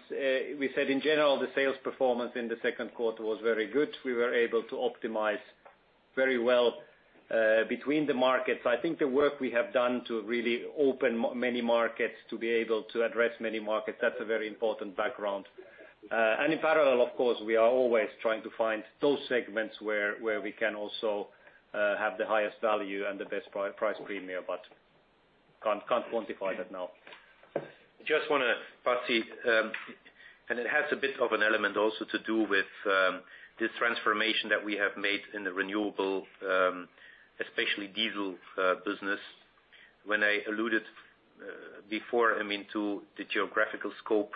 We said, in general, the sales performance in the second quarter was very good. We were able to optimize very well between the markets. I think the work we have done to really open many markets, to be able to address many markets, that's a very important background. In parallel, of course, we are always trying to find those segments where we can also have the highest value and the best price premium, but can't quantify that now. Just want to, Pasi, and it has a bit of an element also to do with the transformation that we have made in the renewable, especially diesel business. When I alluded before to the geographical scope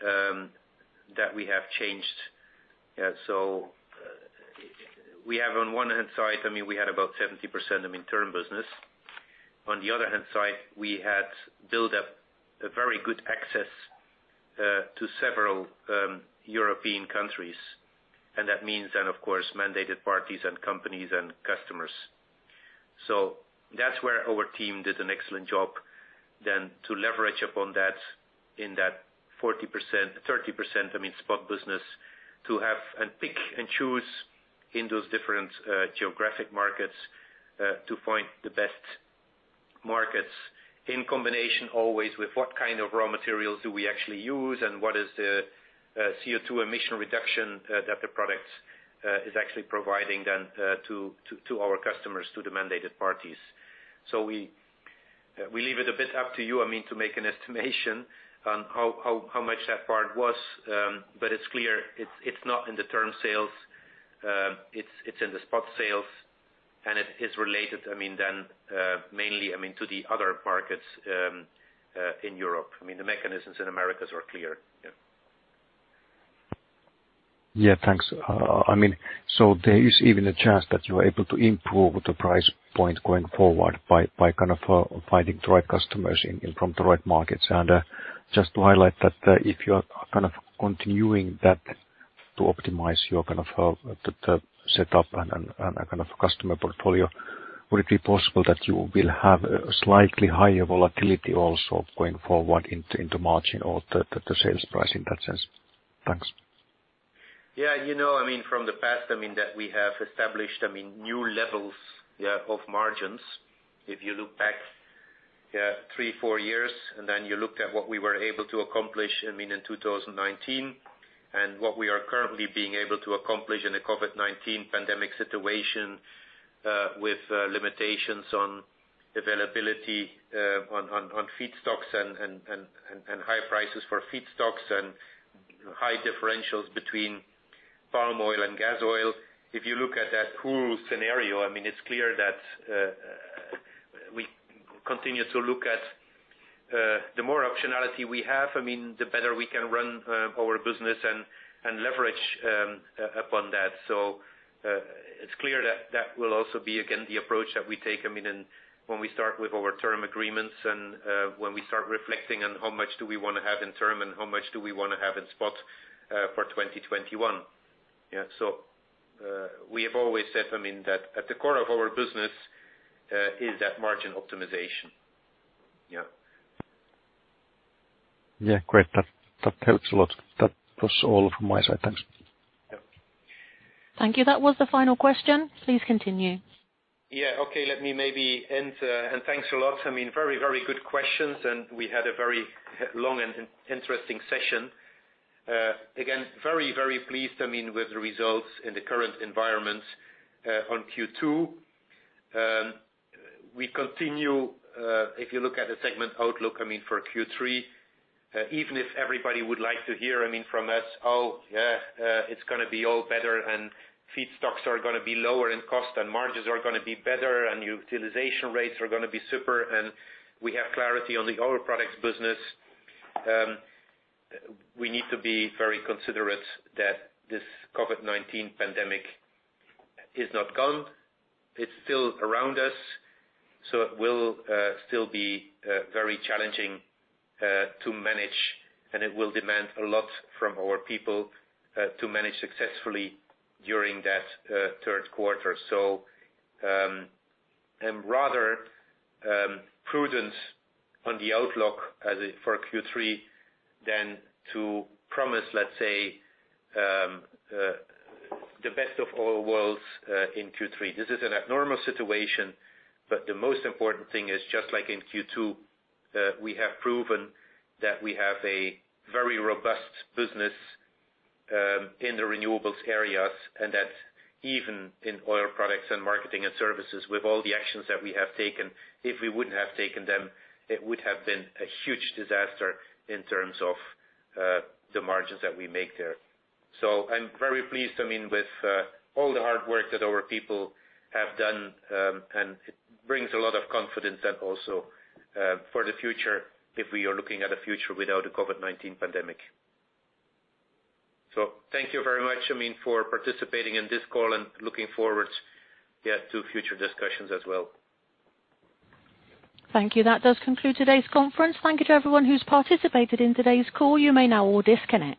that we have changed. We have on one hand side, we had about 70% of term business. On the other hand side, we had built up a very good access to several European countries. That means then, of course, mandated parties and companies and customers. That's where our team did an excellent job then to leverage upon that in that 40%-30% spot business to have and pick and choose in those different geographic markets to find the best markets in combination always with what kind of raw materials do we actually use and what is the CO2 emission reduction that the product is actually providing then to our customers, to the mandated parties. We leave it a bit up to you to make an estimation on how much that part was. It's clear it's not in the term sales, it's in the spot sales, and it is related then mainly to the other markets in Europe. The mechanisms in Americas are clear. Yeah. Yeah, thanks. There is even a chance that you are able to improve the price point going forward by kind of finding the right customers from the right markets. Just to highlight that if you are kind of continuing that to optimize your setup and customer portfolio, would it be possible that you will have a slightly higher volatility also going forward into margin or the sales price in that sense? Thanks. Yeah. From the past that we have established new levels of margins. If you look back three, four years, and then you looked at what we were able to accomplish in 2019 and what we are currently being able to accomplish in the COVID-19 pandemic situation, with limitations on availability, on feedstocks and high prices for feedstocks and high differentials between palm oil and gas oil. If you look at that whole scenario, it's clear that we continue to look at the more optionality we have, the better we can run our business and leverage upon that. It's clear that that will also be, again, the approach that we take when we start with our term agreements and when we start reflecting on how much do we want to have in term and how much do we want to have in spot for 2021. We have always said that at the core of our business is that margin optimization. Yeah. Yeah. Great. That helps a lot. That was all from my side. Thanks. Yeah. Thank you. That was the final question. Please continue. Yeah. Okay. Let me maybe end. Thanks a lot. Very good questions, and we had a very long and interesting session. Again, very pleased with the results in the current environment on Q2. We continue, if you look at the segment outlook, for Q3, even if everybody would like to hear from us, "Oh, yeah, it's going to be all better, and feedstocks are going to be lower in cost and margins are going to be better and utilization rates are going to be super, and we have clarity on the Oil Products business." We need to be very considerate that this COVID-19 pandemic is not gone. It's still around us. It will still be very challenging to manage, and it will demand a lot from our people to manage successfully during that third quarter. I'm rather prudent on the outlook for Q3 than to promise, let's say, the best of all worlds in Q3. This is an abnormal situation, but the most important thing is, just like in Q2, we have proven that we have a very robust business in the renewables areas and that even in oil products and marketing and services, with all the actions that we have taken, if we wouldn't have taken them, it would have been a huge disaster in terms of the margins that we make there. I'm very pleased with all the hard work that our people have done, and it brings a lot of confidence and also for the future if we are looking at a future without a COVID-19 pandemic. Thank you very much for participating in this call and looking forward to future discussions as well. Thank you. That does conclude today's conference. Thank you to everyone who's participated in today's call. You may now all disconnect.